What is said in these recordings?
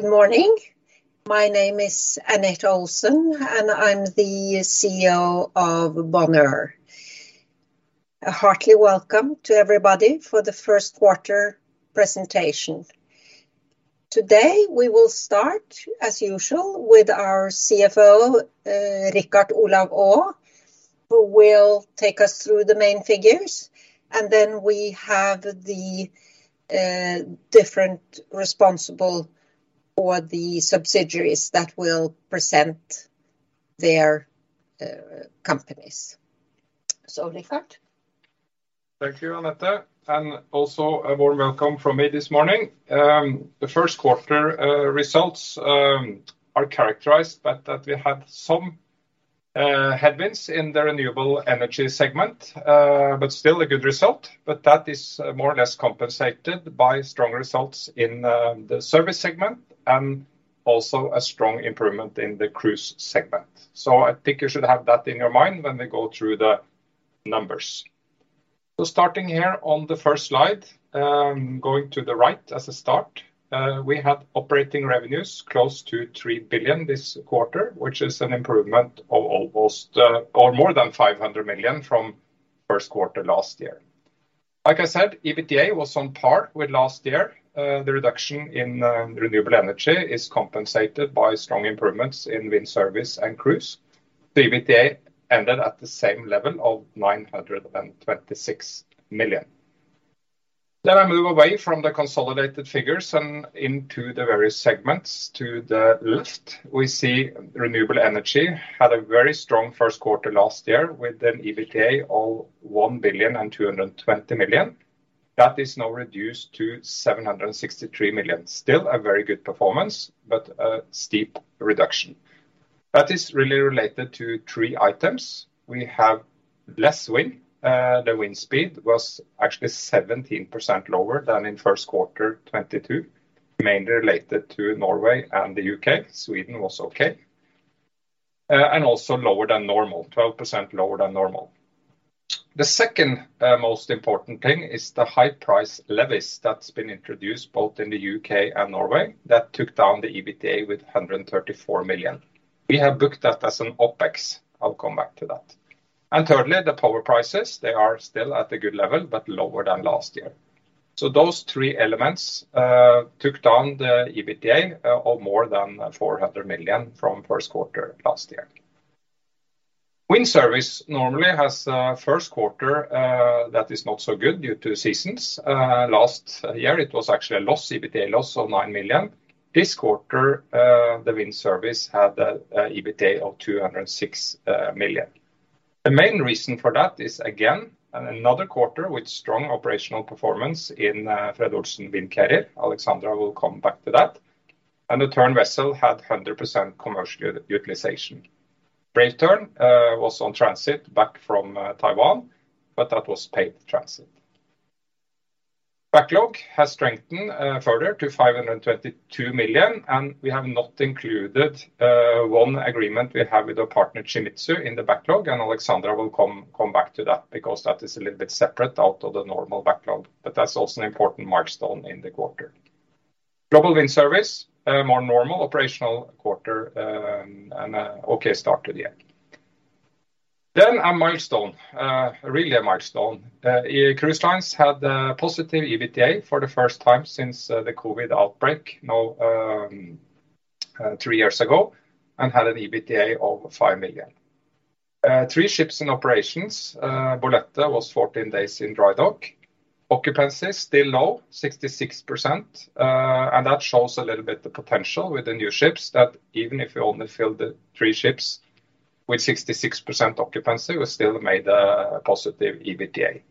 Good morning. My name is Anette Olsen, and I'm the CEO of Bonheur. A heartily welcome to everybody for the first quarter presentation. Today, we will start as usual with our CFO, Richard Olav Aas, who will take us through the main figures, and then we have the different responsible or the subsidiaries that will present their companies. Richard. Thank you, Anette, and also a warm welcome from me this morning. The first quarter results are characterized by that we had some headwinds in the renewable energy segment, but still a good result. That is more or less compensated by strong results in the service segment and also a strong improvement in the cruise segment. I think you should have that in your mind when we go through the numbers. Starting here on the first slide, going to the right as a start, we had operating revenues close to 3 billion this quarter, which is an improvement of almost or more than 500 million from first quarter last year. Like I said, EBITDA was on par with last year. The reduction in renewable energy is compensated by strong improvements in wind service and cruise. The EBITDA ended at the same level of 926 million. I move away from the consolidated figures and into the various segments. To the left, we see renewable energy had a very strong first quarter last year with an EBITDA of 1,220 million. That is now reduced to 763 million. Still a very good performance, but a steep reduction. That is really related to three items. We have less wind. The wind speed was actually 17% lower than in first quarter 2022, mainly related to Norway and the U.K. Sweden was okay. Also lower than normal, 12% lower than normal. The second most important thing is the high price levies that's been introduced both in the U.K. and Norway that took down the EBITDA with 134 million. We have booked that as an OpEx. I'll come back to that. Thirdly, the power prices, they are still at a good level, but lower than last year. Those three elements took down the EBITDA of more than 400 million from first quarter last year. Wind service normally has a first quarter that is not so good due to seasons. Last year it was actually a loss, EBITDA loss of 9 million. This quarter, the wind service had a EBITDA of 206 million. The main reason for that is, again, another quarter with strong operational performance in Fred. Olsen Windcarrier. Alexandra will come back to that. The Tern vessel had 100% commercial utilization. Brave Tern was on transit back from Taiwan, but that was paid transit. Backlog has strengthened further to 522 million, we have not included one agreement we have with our partner Shimizu in the backlog. Alexandra will come back to that because that is a little bit separate out of the normal backlog. That's also an important milestone in the quarter. Global Wind Service, a more normal operational quarter, an okay start to the year. A milestone, really a milestone. Cruise Lines had a positive EBITDA for the first time since the COVID outbreak now, three years ago had an EBITDA of 5 million. 3 ships in operations. Bolette was 14 days in dry dock. Occupancy is still low, 66%, that shows a little bit the potential with the new ships that even if we only fill the three ships with 66% occupancy, we still made a positive EBITDA.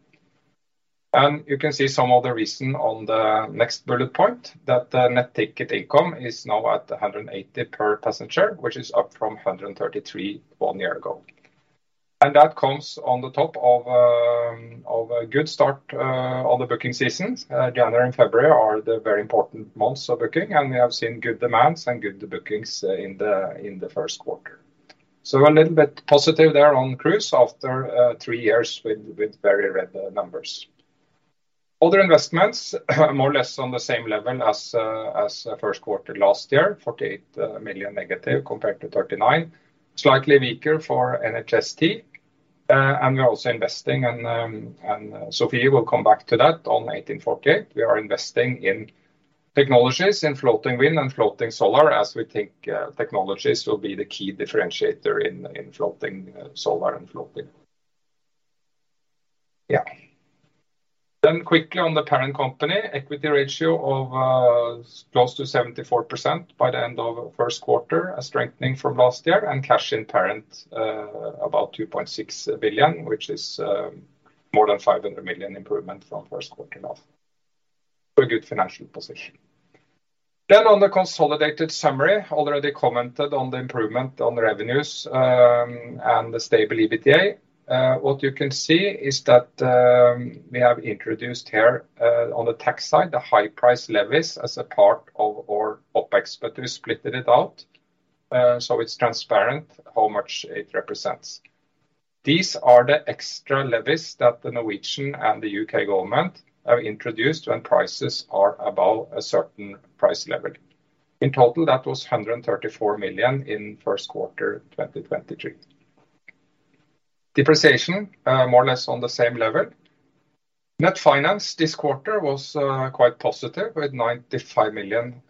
You can see some of the reason on the next bullet point that the net ticket income is now at 180 per passenger, which is up from 133 one year ago. That comes on the top of a good start on the booking season. January and February are the very important months of booking, we have seen good demands and good bookings in the first quarter. A little bit positive there on cruise after three years with very red numbers. Other investments, more or less on the same level as first quarter last year, 48 million negative compared to 39 million. Slightly weaker for NHST. We're also investing and Sophie will come back to that on 1848. We are investing in technologies in floating wind and floating solar, as we think technologies will be the key differentiator in floating solar and floating. Quickly on the parent company, equity ratio of close to 74% by the end of first quarter, a strengthening from last year, and cash in parent about 2.6 billion, which is more than 500 million improvement from first quarter last. A good financial position. On the consolidated summary, already commented on the improvement on revenues and the stable EBITDA. What you can see is that we have introduced here on the tax side, the high price levies as a part of our OpEx. We split it out, so it's transparent how much it represents. These are the extra levies that the Norwegian and the U.K. government have introduced when prices are above a certain price level. In total, that was 134 million in first quarter 2023. Depreciation more or less on the same level. Net finance this quarter was quite positive with 95 million,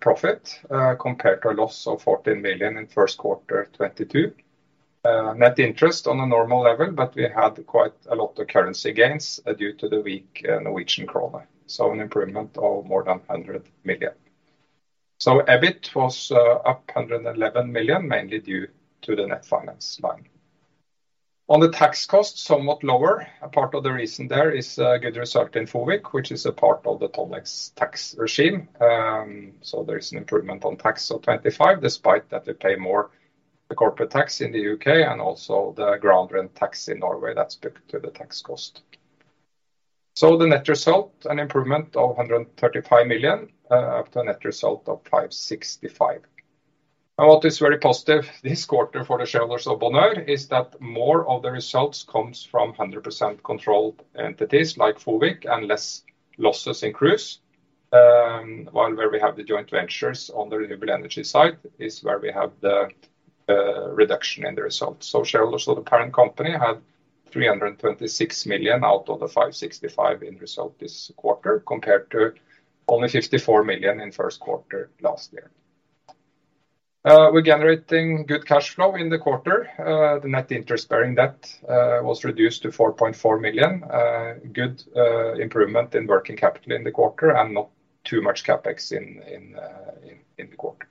profit, compared to a loss of 14 million in first quarter 2022. Net interest on a normal level. We had quite a lot of currency gains due to the weak Norwegian krone. An improvement of more than 100 million. EBIT was up 111 million, mainly due to the net finance line. On the tax cost, somewhat lower. A part of the reason there is a good result in FOWIC, which is a part of the Tonnage tax regime. There is an improvement on tax of 25, despite that we pay more corporate tax in the U.K. and also the ground rent tax in Norway that's booked to the tax cost. The net result, an improvement of 135 million, up to a net result of 565. What is very positive this quarter for the shareholders of Bonheur is that more of the results comes from 100% controlled entities like FOWIC and less losses in Cruise. While where we have the joint ventures on the renewable energy side is where we have the reduction in the results. Shareholders of the parent company had 326 million out of the 565 million in result this quarter, compared to only 54 million in first quarter last year. We're generating good cash flow in the quarter. The net interest bearing debt was reduced to 4.4 million. Good improvement in working capital in the quarter and not too much CapEx in the quarter.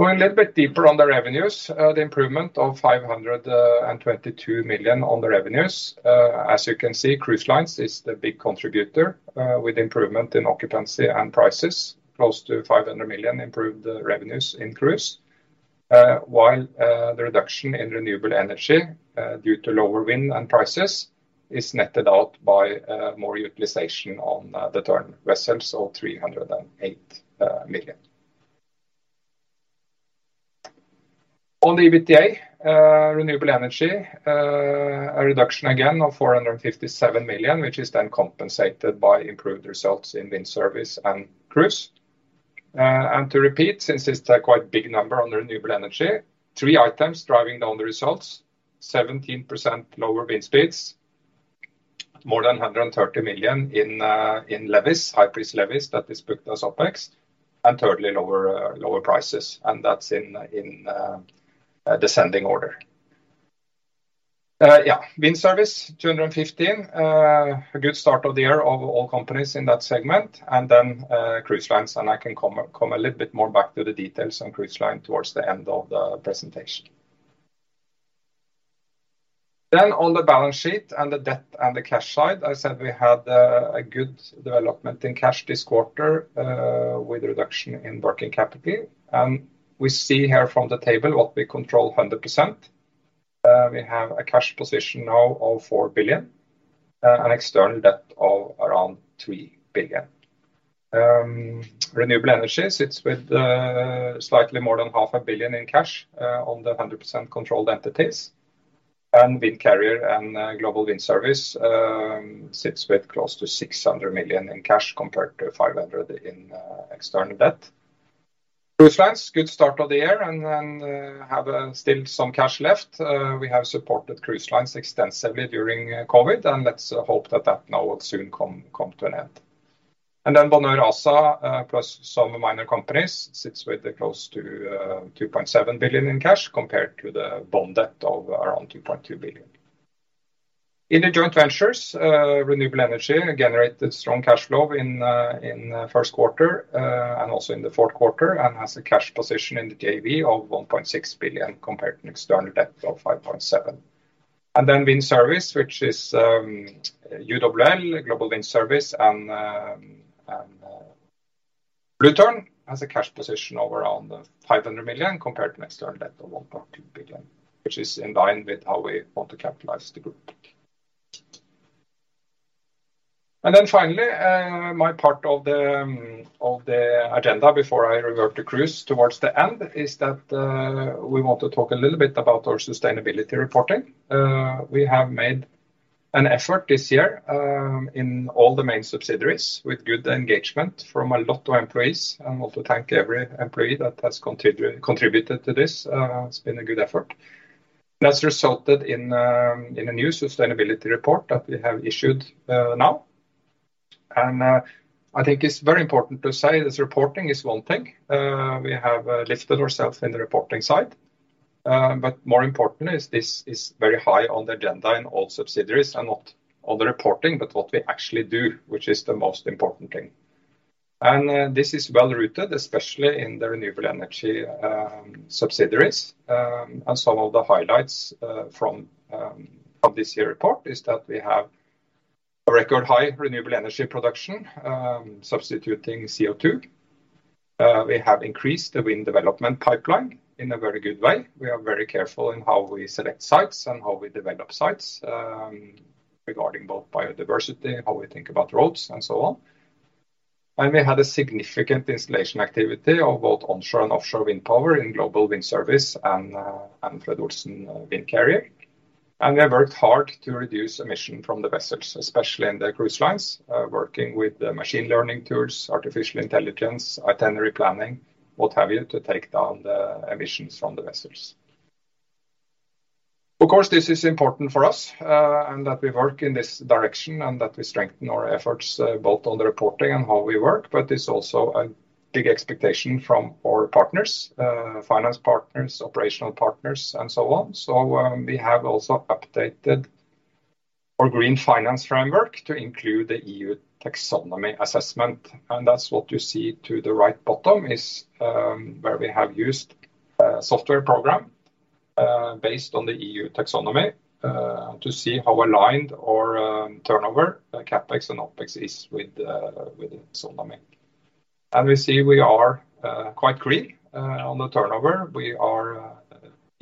Going a little bit deeper on the revenues, the improvement of 522 million on the revenues. As you can see, Cruise Lines is the big contributor with improvement in occupancy and prices. Close to 500 million improved revenues in Cruise. While the reduction in renewable energy due to lower wind and prices is netted out by more utilization on the Tern vessels of 308 million. On the EBITDA, renewable energy, a reduction again of 457 million, which is then compensated by improved results in wind service and Cruise. To repeat, since it's a quite big number on renewable energy, three items driving down the results. 17% lower wind speeds, more than 130 million in levies, high-price levies, that is booked as OpEx, thirdly lower prices, and that's in descending order. Wind service, 215. A good start of the year of all companies in that segment. Cruise Lines, I can come a little bit more back to the details on Cruise Line towards the end of the presentation. On the balance sheet and the debt and the cash side, I said we had a good development in cash this quarter with reduction in working capital. We see here from the table what we control 100%. We have a cash position now of 4 billion, an external debt of around 3 billion. Renewable Energy sits with slightly more than half a billion NOK in cash on the 100% controlled entities. Windcarrier and Global Wind Service sits with close to 600 million in cash compared to 500 million in external debt. Cruise Lines, good start of the year and then have still some cash left. We have supported Cruise Lines extensively during COVID, let's hope that that now will soon come to an end. Bonheur ASA, plus some minor companies, sits with close to 2.7 billion in cash compared to the bond debt of around 2.2 billion. In the joint ventures, renewable energy generated strong cash flow in first quarter and also in the fourth quarter and has a cash position in the JV of 1.6 billion compared to an external debt of 5.7 billion. Wind service, which is UWL, Global Wind Service and Blue Tern has a cash position of around 500 million compared to an external debt of 1.2 billion, which is in line with how we want to capitalize the group. Finally, my part of the agenda before I revert to Cruise towards the end is that we want to talk a little bit about our sustainability reporting. We have made an effort this year in all the main subsidiaries with good engagement from a lot of employees. I want to thank every employee that has contributed to this. It's been a good effort. That's resulted in a new sustainability report that we have issued now. I think it's very important to say this reporting is one thing. We have lifted ourselves in the reporting side. More important is this is very high on the agenda in all subsidiaries and not all the reporting, but what we actually do, which is the most important thing. This is well-rooted, especially in the renewable energy subsidiaries. Some of the highlights from this year report is that we have a record high renewable energy production, substituting CO2. We have increased the wind development pipeline in a very good way. We are very careful in how we select sites and how we develop sites, regarding both biodiversity, how we think about roads, and so on. We had a significant installation activity of both onshore and offshore wind power in Global Wind Service and Fred. Olsen Windcarrier. We have worked hard to reduce emission from the vessels, especially in the cruise lines, working with the machine learning tools, artificial intelligence, itinerary planning, what have you, to take down the emissions from the vessels. Of course, this is important for us, and that we work in this direction and that we strengthen our efforts, both on the reporting and how we work, but it's also a big expectation from our partners, finance partners, operational partners, and so on. We have also updated our Green Finance Framework to include the EU taxonomy assessment, and that's what you see to the right bottom is, where we have used a software program, based on the EU taxonomy, to see how aligned our turnover, the CapEx and OpEx is with the taxonomy. We see we are quite green on the turnover. We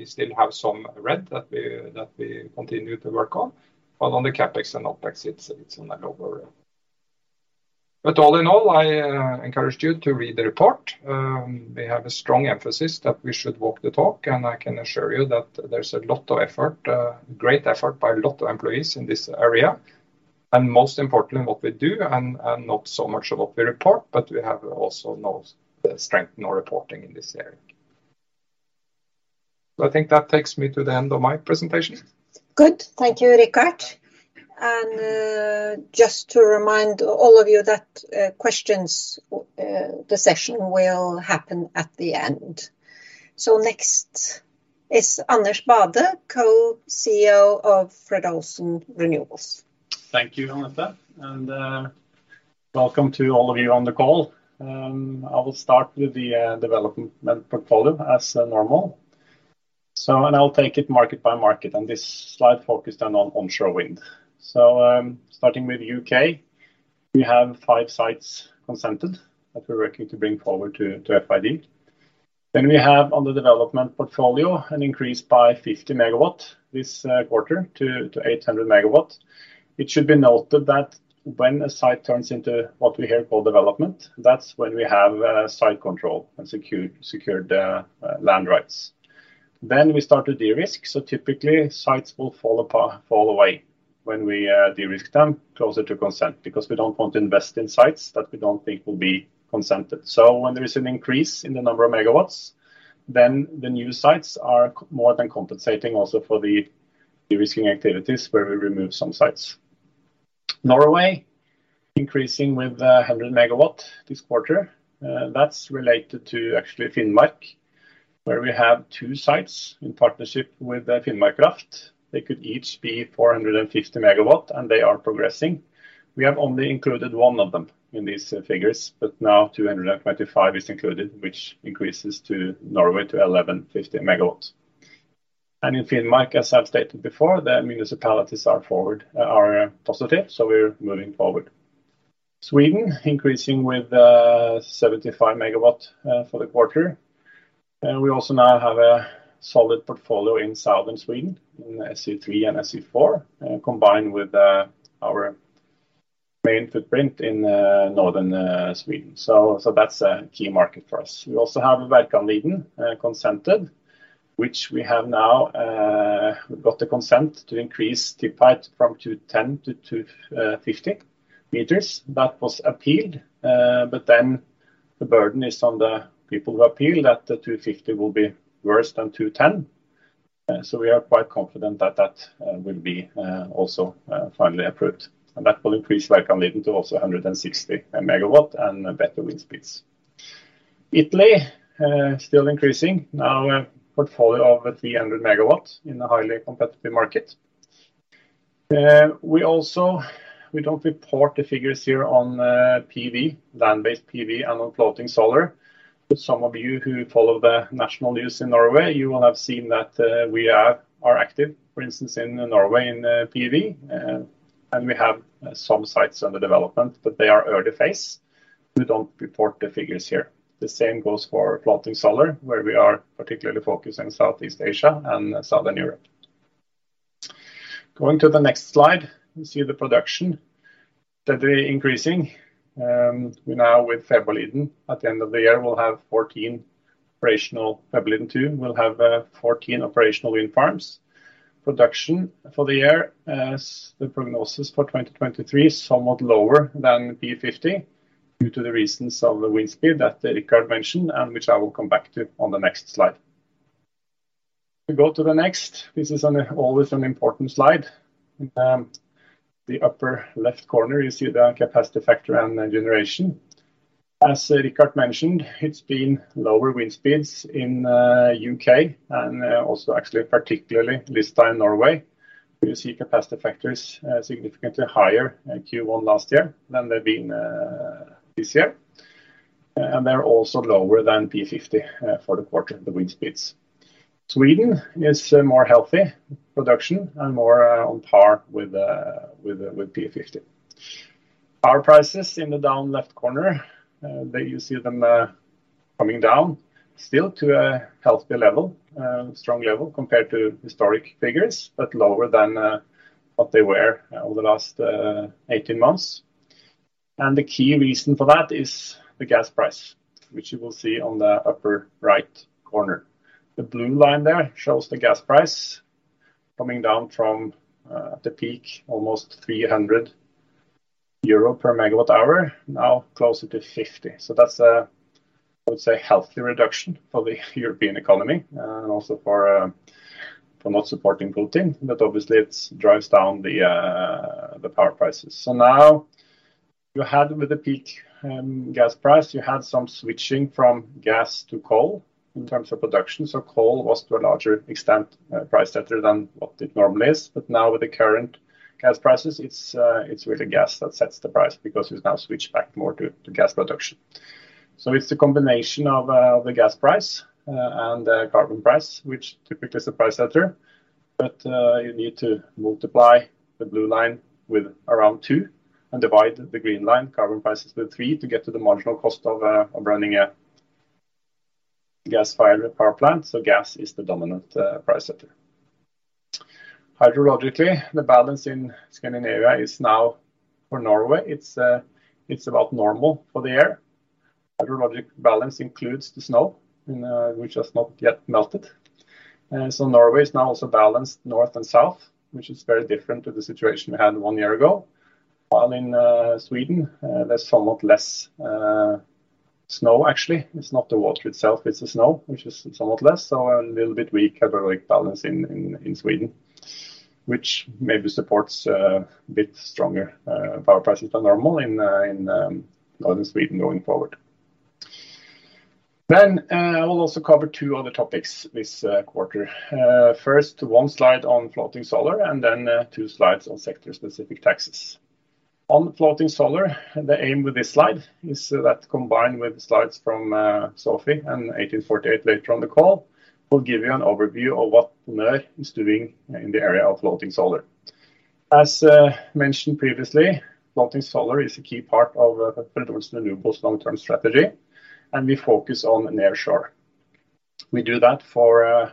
still have some red that we continue to work on. On the CapEx and OpEx, it's on a lower. All in all, I encourage you to read the report. We have a strong emphasis that we should walk the talk, and I can assure you that there's a lot of effort, great effort by a lot of employees in this area, and most importantly, what we do and not so much what we report, but we have also now strengthened our reporting in this area. I think that takes me to the end of my presentation. Good. Thank you, Rikard. Just to remind all of you that, questions, the session will happen at the end. Next is Anders Bade, Co-CEO of Fred. Olsen Renewables. Thank you, Anette, welcome to all of you on the call. I will start with the development portfolio as normal. I'll take it market by market, and this slide focused on onshore wind. Starting with U.K., we have five sites consented that we're working to bring forward to FID. We have on the development portfolio an increase by 50 megawatts this quarter to 800 megawatts. It should be noted that when a site turns into what we here call development, that's when we have site control and secured land rights. We start to de-risk, typically sites will fall away when we de-risk them closer to consent, because we don't want to invest in sites that we don't think will be consented. When there is an increase in the number of megawatts, the new sites are more than compensating also for the de-risking activities where we remove some sites. Norway, increasing with 100 megawatts this quarter. That's related to actually Finnmark, where we have 2 sites in partnership with Finnmark Kraft. They could each be 450 megawatts, and they are progressing. We have only included 1 of them in these figures, but now 225 is included, which increases to Norway to 1,150 megawatts. In Finnmark, as I've stated before, the municipalities are forward, are positive, we're moving forward. Sweden, increasing with 75 megawatts for the quarter. We also now have a solid portfolio in southern Sweden, in SE3 and SE4, combined with our main footprint in northern Sweden. That's a key market for us. We also have Välkommen Consented, which we have now got the consent to increase the pipe from 210 to 250 meters. That was appealed, but then the burden is on the people who appeal that the 250 will be worse than 210. We are quite confident that that will be also finally approved. That will increase Välkommen to also 160 MW and better wind speeds. Italy still increasing. Now a portfolio of 300 MW in a highly competitive market. We don't report the figures here on PV, land-based PV and on floating solar. Some of you who follow the national news in Norway, you will have seen that we are active, for instance, in Norway in PV. We have some sites under development, but they are early phase. We don't report the figures here. The same goes for floating solar, where we are particularly focused in Southeast Asia and southern Europe. Going to the next slide, we see the production steadily increasing. We now with Fäbodliden, at the end of the year, we'll have 14 operational Fäbodliden two. We'll have 14 operational wind farms. Production for the year as the prognosis for 2023 is somewhat lower than P50 due to the reasons of the wind speed that Richard mentioned, which I will come back to on the next slide. We go to the next. This is always an important slide. The upper left corner, you see the capacity factor and the generation. As Rikard mentioned, it's been lower wind speeds in U.K. and also actually particularly this time Norway. You see capacity factors significantly higher in Q1 last year than they've been this year. They're also lower than P50 for the quarter, the wind speeds. Sweden is a more healthy production and more on par with P50. Our prices in the down left corner that you see them coming down still to a healthier level, a strong level compared to historic figures, but lower than what they were over the last 18 months. The key reason for that is the gas price, which you will see on the upper right corner. The blue line there shows the gas price coming down from the peak almost 300 euro per megawatts hour, now closer to 50. That's a, I would say, healthy reduction for the European economy and also for not supporting Putin. Obviously it's drives down the power prices. Now you had with the peak gas price, you had some switching from gas to coal in terms of production. Coal was to a larger extent price setter than what it normally is. Now with the current gas prices, it's really gas that sets the price because it's now switched back more to gas production. It's the combination of the gas price and the carbon price, which typically is the price setter. You need to multiply the blue line with around 2 and divide the green line carbon prices with 3 to get to the marginal cost of running a gas-fired power plant. Gas is the dominant price setter. Hydrologically, the balance in Scandinavia is now for Norway. It's about normal for the year. Hydrologic balance includes the snow, which has not yet melted. Norway is now also balanced north and south, which is very different to the situation we had 1 year ago. While in Sweden, there's somewhat less snow actually. It's not the water itself, it's the snow, which is somewhat less. A little bit weak hydrologic balance in Sweden, which maybe supports a bit stronger power prices than normal in northern Sweden going forward. I will also cover 2 other topics this quarter. First 1 slide on floating solar and then 2 slides on sector specific taxes. On floating solar, the aim with this slide is that combined with slides from Sofie and Fred. Olsen 1848 later on the call, we'll give you an overview of what Nør is doing in the area of floating solar. As mentioned previously, floating solar is a key part of Fred. Olsen Renewables long-term strategy, and we focus on near shore. We do that for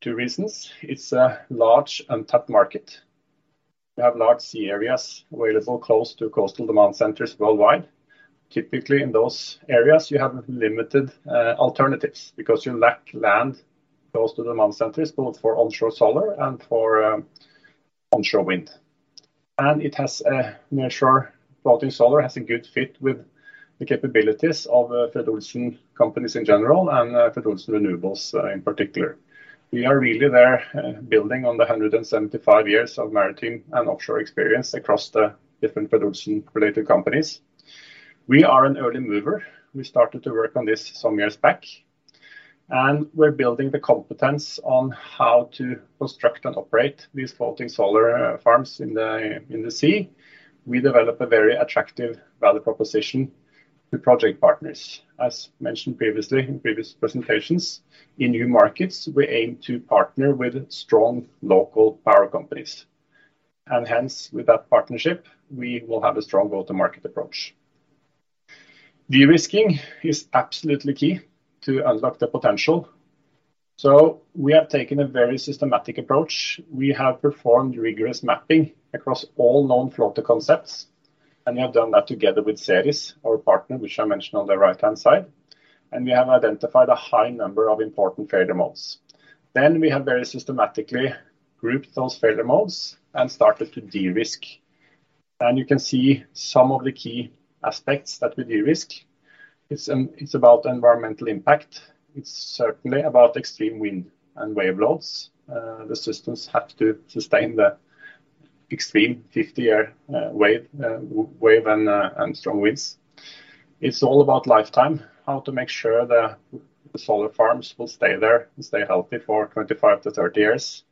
two reasons. It's a large untapped market. We have large sea areas available close to coastal demand centers worldwide. Typically, in those areas you have limited alternatives because you lack land close to demand centers both for onshore solar and for onshore wind. Near shore floating solar has a good fit with the capabilities of Fred. Olsen companies in general, and Fred. Olsen Renewables in particular. We are really there building on the 175 years of maritime and offshore experience across the different Fred. Olsen related companies. We are an early mover. We started to work on this some years back, We're building the competence on how to construct and operate these floating solar farms in the sea. We develop a very attractive value proposition to project partners. As mentioned previously in previous presentations, in new markets, we aim to partner with strong local power companies Hence with that partnership, we will have a strong go-to-market approach. De-risking is absolutely key to unlock the potential. We have taken a very systematic approach. We have performed rigorous mapping across all known floater concepts, and we have done that together with SERIS, our partner, which I mentioned on the right-hand side, and we have identified a high number of important failure modes. We have very systematically grouped those failure modes and started to de-risk. You can see some of the key aspects that we de-risk. It's about environmental impact. It's certainly about extreme wind and wave loads. The systems have to sustain the extreme 50-year wave and strong winds. It's all about lifetime. How to make sure the solar farms will stay there and stay healthy for 25-30 years.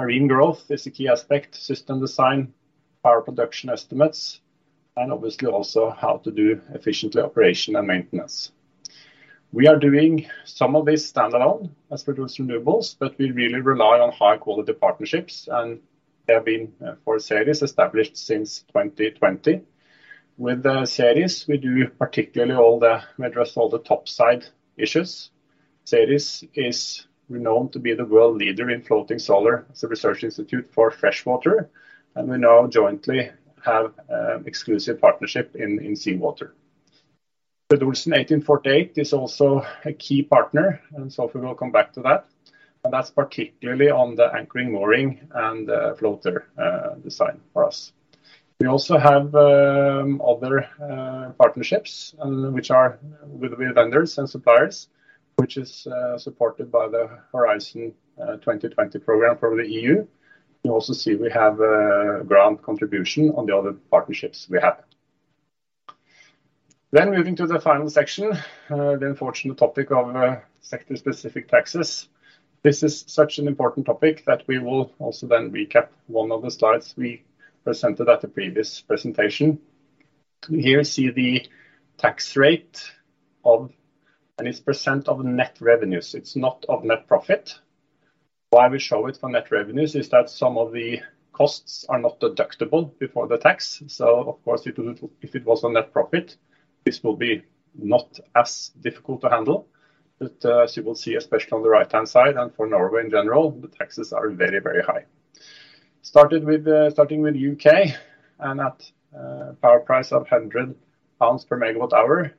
Marine growth is a key aspect. System design, power production estimates and obviously also how to do efficiently O&M. We are doing some of this standalone as Fred. Olsen Renewables, but we really rely on high quality partnerships and they have been for SERIS established since 2020. With the SERIS we address all the top side issues. SERIS is renowned to be the world leader in floating solar. It's a research institute for freshwater and we now jointly have exclusive partnership in seawater. Fred. Olsen 1848 is also a key partner and Sophie we will come back to that. That's particularly on the anchoring, mooring and floater design for us. We also have other partnerships and which are with vendors and suppliers, which is supported by the Horizon 2020 program from the EU. You also see we have a grant contribution on the other partnerships we have. Moving to the final section, the unfortunate topic of sector specific taxes. This is such an important topic that we will also recap one of the slides we presented at the previous presentation. Here see the tax rate of and its % of net revenues. It's not of net profit. We show it for net revenues is that some of the costs are not deductible before the tax. Of course, if it was on net profit, this will be not as difficult to handle. As you will see, especially on the right-hand side and for Norway in general, the taxes are very, very high. Starting with U.K. and at power price of 100 pounds per megawatts hour,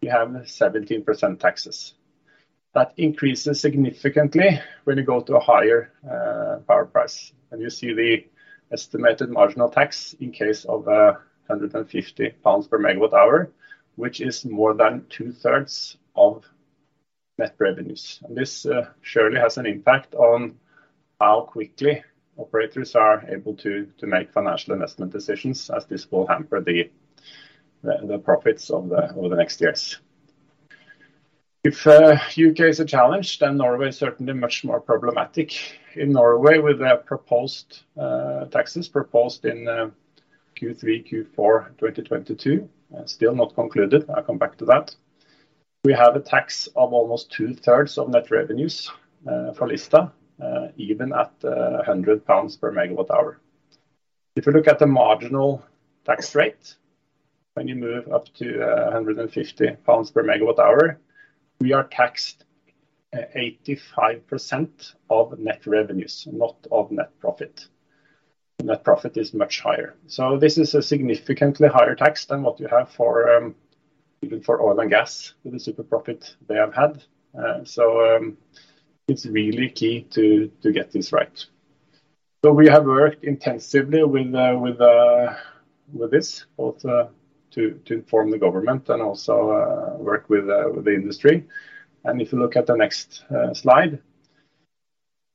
you have 17% taxes. That increases significantly when you go to a higher power price. You see the estimated marginal tax in case of 150 pounds per megawatts hour, which is more than two-thirds of net revenues. This surely has an impact on how quickly operators are able to make financial investment decisions, as this will hamper the profits over the next years. If U.K. is a challenge, then Norway is certainly much more problematic. In Norway, with their proposed taxes proposed in Q3, Q4 2022, still not concluded, I'll come back to that. We have a tax of almost two-thirds of net revenues for Lista, even at 100 pounds per megawatts hour. If you look at the marginal tax rate, when you move up to 150 pounds per megawatts hour, we are taxed 85% of net revenues, not of net profit. Net profit is much higher. This is a significantly higher tax than what you have for, even for oil and gas with the super profit they have had. It's really key to get this right. We have worked intensively with this, both, to inform the government and also, work with the industry. If you look at the next, slide.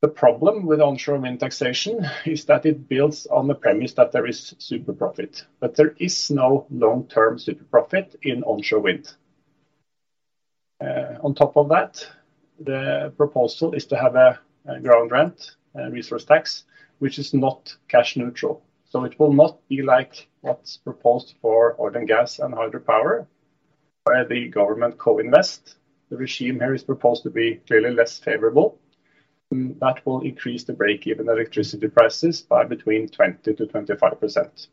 The problem with onshore wind taxation is that it builds on the premise that there is super profit. There is no long-term super profit in onshore wind. On top of that, the proposal is to have a ground rent, a resource tax, which is not cash neutral, so it will not be like what's proposed for oil and gas and hydropower, where the government co-invest. The regime here is proposed to be clearly less favorable. That will increase the break-even electricity prices by between 20%-25%.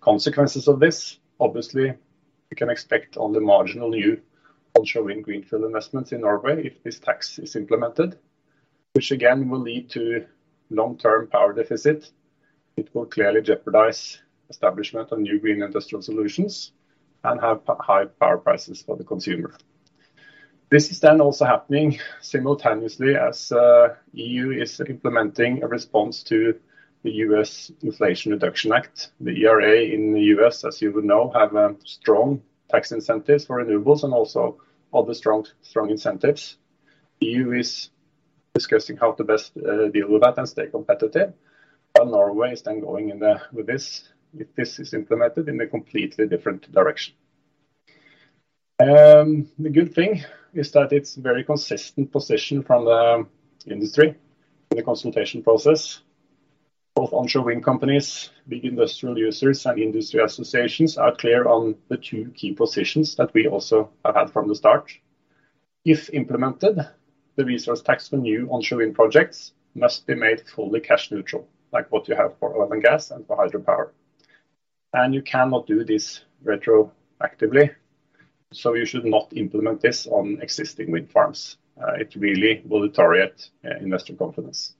Consequences of this, obviously you can expect on the marginal new onshore wind Greenfield Investments in Norway if this tax is implemented, which again, will lead to long-term power deficit. It will clearly jeopardize establishment of new green industrial solutions and have high power prices for the consumer. This is then also happening simultaneously as EU is implementing a response to the U.S. Inflation Reduction Act. The ERA in the U.S., as you would know, have strong tax incentives for renewables and also other strong incentives. EU is discussing how to best deal with that and stay competitive. Norway is then going in the, with this, if this is implemented, in a completely different direction. The good thing is that it's very consistent position from the industry in the consultation process. Both onshore wind companies, big industrial users and industry associations are clear on the two key positions that we also have had from the start. If implemented, the resource tax for new onshore wind projects must be made fully cash neutral, like what you have for oil and gas and for hydropower. You cannot do this retroactively, so you should not implement this on existing wind farms. It really will deteriorate investor confidence.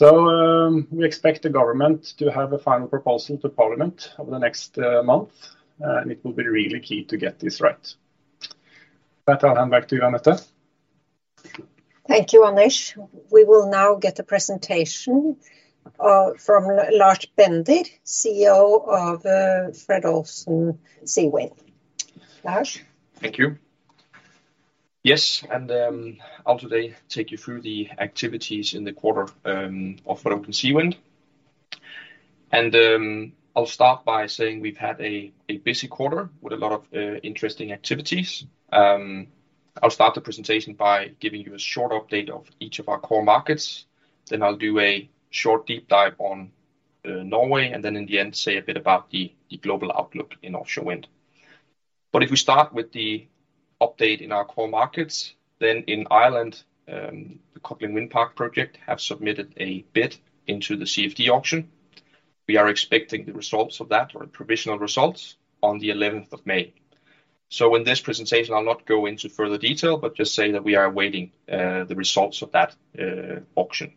We expect the government to have a final proposal to parliament over the next month, and it will be really key to get this right. With that, I'll hand back to you, Anette. Thank you, Anders. We will now get a presentation, from Lars Bender, CEO of Fred. Olsen Seawind. Lars. Thank you. Yes. I'll today take you through the activities in the quarter of Fred. Olsen Seawind. I'll start by saying we've had a busy quarter with a lot of interesting activities. I'll start the presentation by giving you a short update of each of our core markets. I'll do a short deep dive on Norway. In the end say a bit about the global outlook in offshore wind. If we start with the update in our core markets, in Ireland, the Codling Wind Park project have submitted a bid into the CFD auction. We are expecting the results of that or provisional results on the 11th of May. In this presentation, I'll not go into further detail, just say that we are awaiting the results of that auction.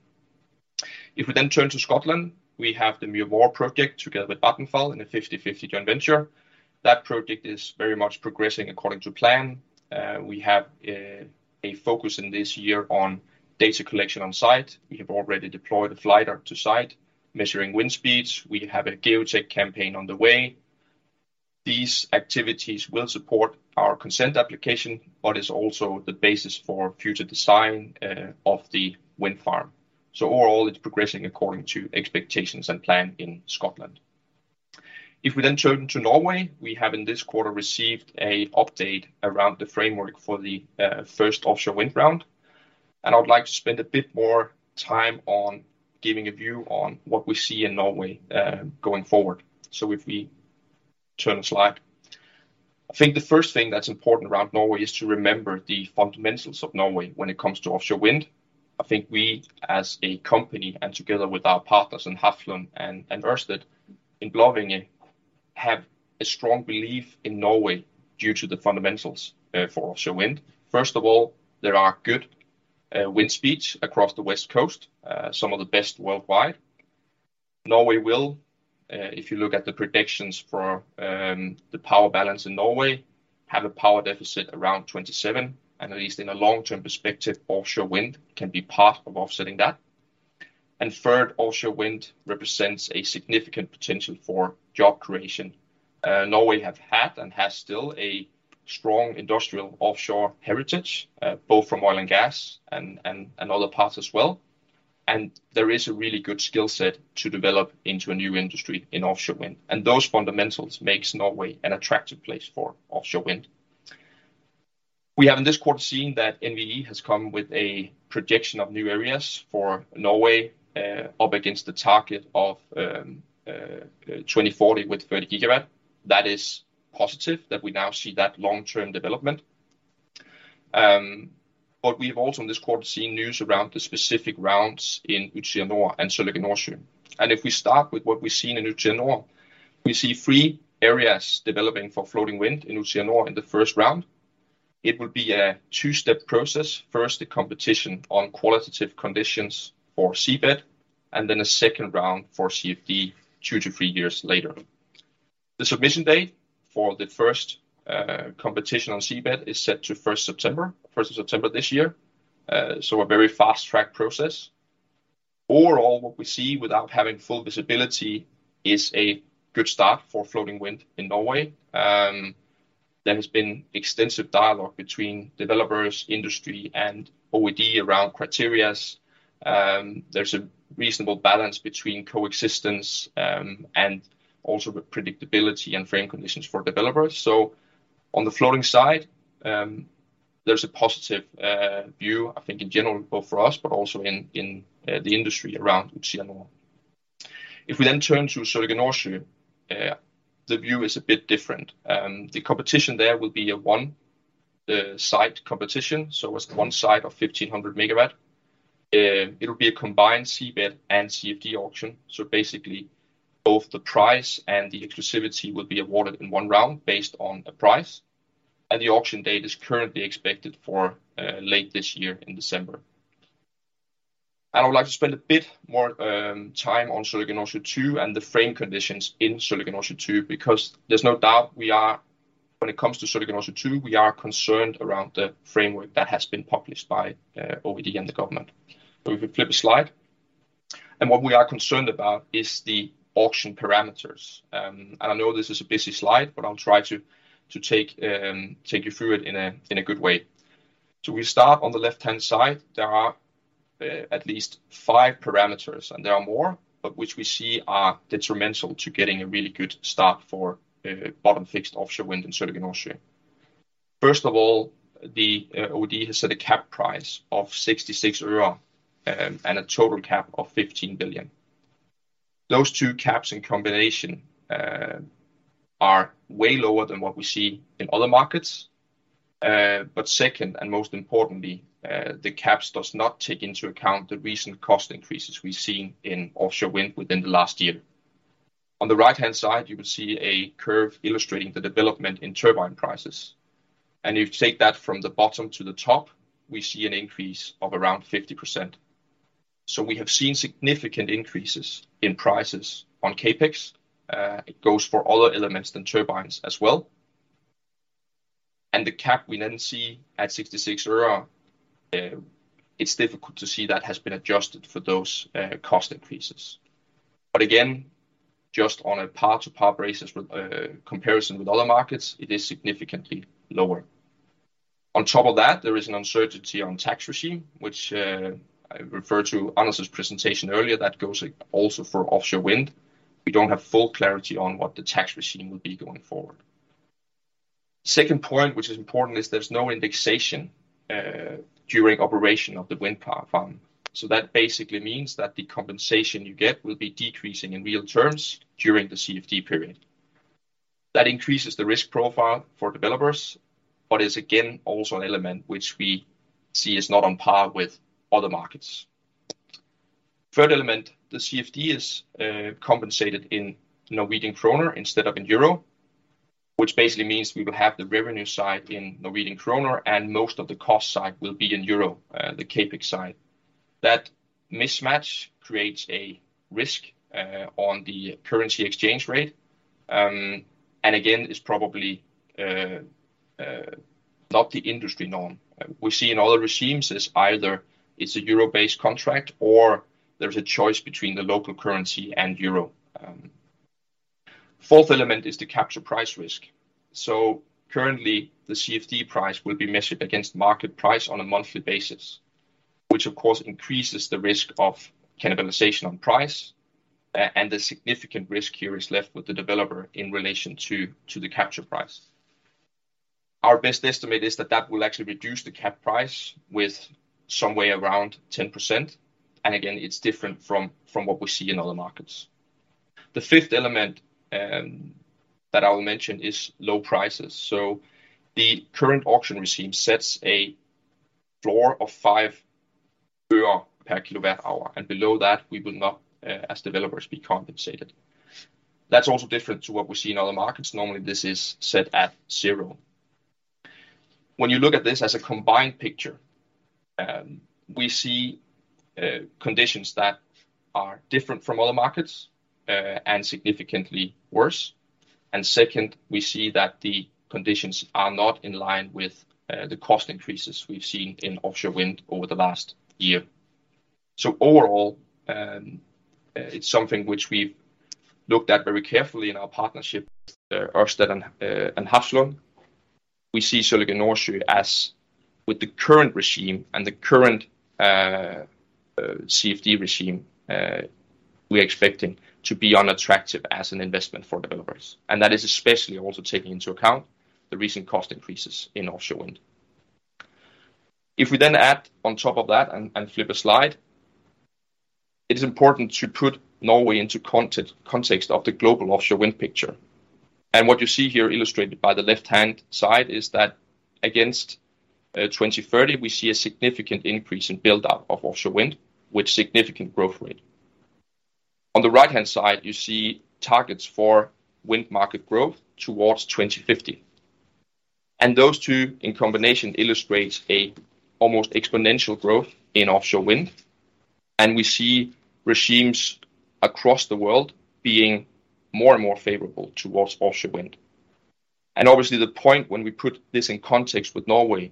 If we then turn to Scotland, we have the Muir Mhòr project together with Vattenfall in a 50/50 joint venture. That project is very much progressing according to plan. We have a focus in this year on data collection on site. We have already deployed a glider to site measuring wind speeds. We have a geotech campaign on the way. These activities will support our consent application, but is also the basis for future design of the wind farm. Overall, it's progressing according to expectations and plan in Scotland. If we then turn to Norway, we have in this quarter received a update around the framework for the first offshore wind round, I would like to spend a bit more time on giving a view on what we see in Norway going forward. If we Turn the slide. I think the first thing that's important around Norway is to remember the fundamentals of Norway when it comes to offshore wind. I think we as a company, and together with our partners in Hafslund and Ørsted in Blåvinge, have a strong belief in Norway due to the fundamentals for offshore wind. First of all, there are good wind speeds across the West Coast, some of the best worldwide. Norway will, if you look at the predictions for the power balance in Norway, have a power deficit around 2027, and at least in a long-term perspective, offshore wind can be part of offsetting that. Third, offshore wind represents a significant potential for job creation. Norway have had and has still a strong industrial offshore heritage, both from oil and gas and other parts as well. There is a really good skill set to develop into a new industry in offshore wind. Those fundamentals makes Norway an attractive place for offshore wind. We have in this quarter seen that NVE has come with a projection of new areas for Norway up against the target of 2040 with 30 gigawatt. That is positive that we now see that long-term development. We've also in this quarter seen news around the specific rounds in Utsira Nord and Sørlige Nordsjø II. If we start with what we see in Utsira Nord, we see three areas developing for floating wind in Utsira Nord in the first round. It will be a two-step process. First, the competition on qualitative conditions for seabed, and then a second round for CFD two to three years later. The submission date for the first competition on seabed is set to first September, first of September this year. A very fast-track process. Overall, what we see without having full visibility is a good start for floating wind in Norway. There has been extensive dialogue between developers, industry, and OED around criterias. There's a reasonable balance between coexistence and also the predictability and frame conditions for developers. On the floating side, there's a positive view, I think in general both for us, but also in the industry around Utsira Nord. If we then turn to Sørlige Nordsjø II, the view is a bit different. The competition there will be a one site competition, so it's one site of 1,500 megawatts. It'll be a combined seabed and CFD auction. Basically, both the price and the exclusivity will be awarded in one round based on a price. The auction date is currently expected for late this year in December. I would like to spend a bit more time on Sørlige Nordsjø II and the frame conditions in Sørlige Nordsjø II, because there's no doubt when it comes to Sørlige Nordsjø II, we are concerned around the framework that has been published by OED and the government. If we flip a slide. What we are concerned about is the auction parameters. I know this is a busy slide, but I'll try to take you through it in a good way. We start on the left-hand side. There are at least five parameters, and there are more, but which we see are detrimental to getting a really good start for bottom-fixed offshore wind in Sørlige Nordsjø II. First of all, the OED has set a cap price of 66 euro, and a total cap of 15 billion. Those two caps in combination are way lower than what we see in other markets. Second, and most importantly, the caps does not take into account the recent cost increases we've seen in offshore wind within the last year. On the right-hand side, you will see a curve illustrating the development in turbine prices. If you take that from the bottom to the top, we see an increase of around 50%. We have seen significant increases in prices on CapEx. It goes for other elements than turbines as well. The cap we then see at 66 euro, it's difficult to see that has been adjusted for those cost increases. Again, just on a par-to-par basis with comparison with other markets, it is significantly lower. On top of that, there is an uncertainty on tax regime, which I referred to Anders' presentation earlier, that goes also for offshore wind. We don't have full clarity on what the tax regime will be going forward. Second point, which is important, is there's no indexation during operation of the wind farm. That basically means that the compensation you get will be decreasing in real terms during the CFD period. That increases the risk profile for developers, but is again also an element which we see is not on par with other markets. Third element, the CFD is compensated in Norwegian kroner instead of in euro, which basically means we will have the revenue side in Norwegian kroner, and most of the cost side will be in euro, the CapEx side. That mismatch creates a risk on the currency exchange rate. Again, is probably not the industry norm. We see in other regimes is either it's a euro-based contract or there's a choice between the local currency and euro. Fourth element is the capture price risk. Currently, the CFD price will be measured against market price on a monthly basis, which of course increases the risk of cannibalization on price, and the significant risk here is left with the developer in relation to the capture price. Our best estimate is that that will actually reduce the cap price with some way around 10%. Again, it's different from what we see in other markets. The fifth element that I will mention is low prices. The current auction regime sets a floor of 5 euro per kWh, and below that we will not as developers be compensated. That's also different to what we see in other markets. Normally, this is set at zero. When you look at this as a combined picture, we see conditions that are different from other markets and significantly worse. Second, we see that the conditions are not in line with the cost increases we've seen in offshore wind over the last year. Overall, it's something which we've looked at very carefully in our partnership, Ørsted and Hafslund. We see Sørlige Nordsjø II as with the current regime and the current CFD regime, we're expecting to be unattractive as an investment for developers, and that is especially also taking into account the recent cost increases in offshore wind. If we then add on top of that and flip a slide, it is important to put Norway into context of the global offshore wind picture. What you see here illustrated by the left-hand side is that against 2030 we see a significant increase in build up of offshore wind with significant growth rate. On the right-hand side, you see targets for wind market growth towards 2050. Those two in combination illustrates an almost exponential growth in offshore wind. We see regimes across the world being more and more favorable towards offshore wind. Obviously, the point when we put this in context with Norway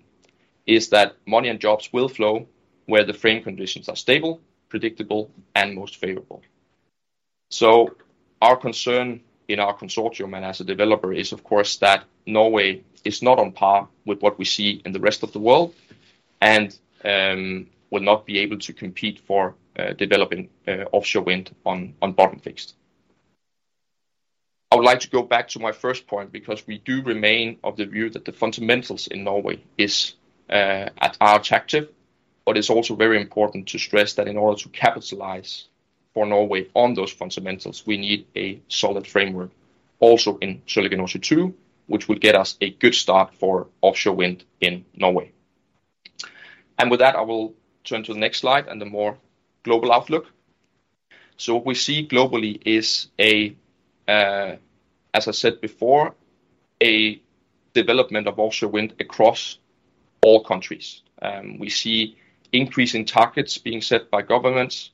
is that money and jobs will flow where the frame conditions are stable, predictable and most favorable. Our concern in our consortium and as a developer is of course that Norway is not on par with what we see in the rest of the world and will not be able to compete for developing offshore wind on bottom fixed. I would like to go back to my first point, because we do remain of the view that the fundamentals in Norway are attractive. It's also very important to stress that in order to capitalize for Norway on those fundamentals, we need a solid framework also in Sørlige Nordsjø II, which will get us a good start for offshore wind in Norway. With that, I will turn to the next slide and the more global outlook. What we see globally is, as I said before, a development of offshore wind across all countries. We see increasing targets being set by governments.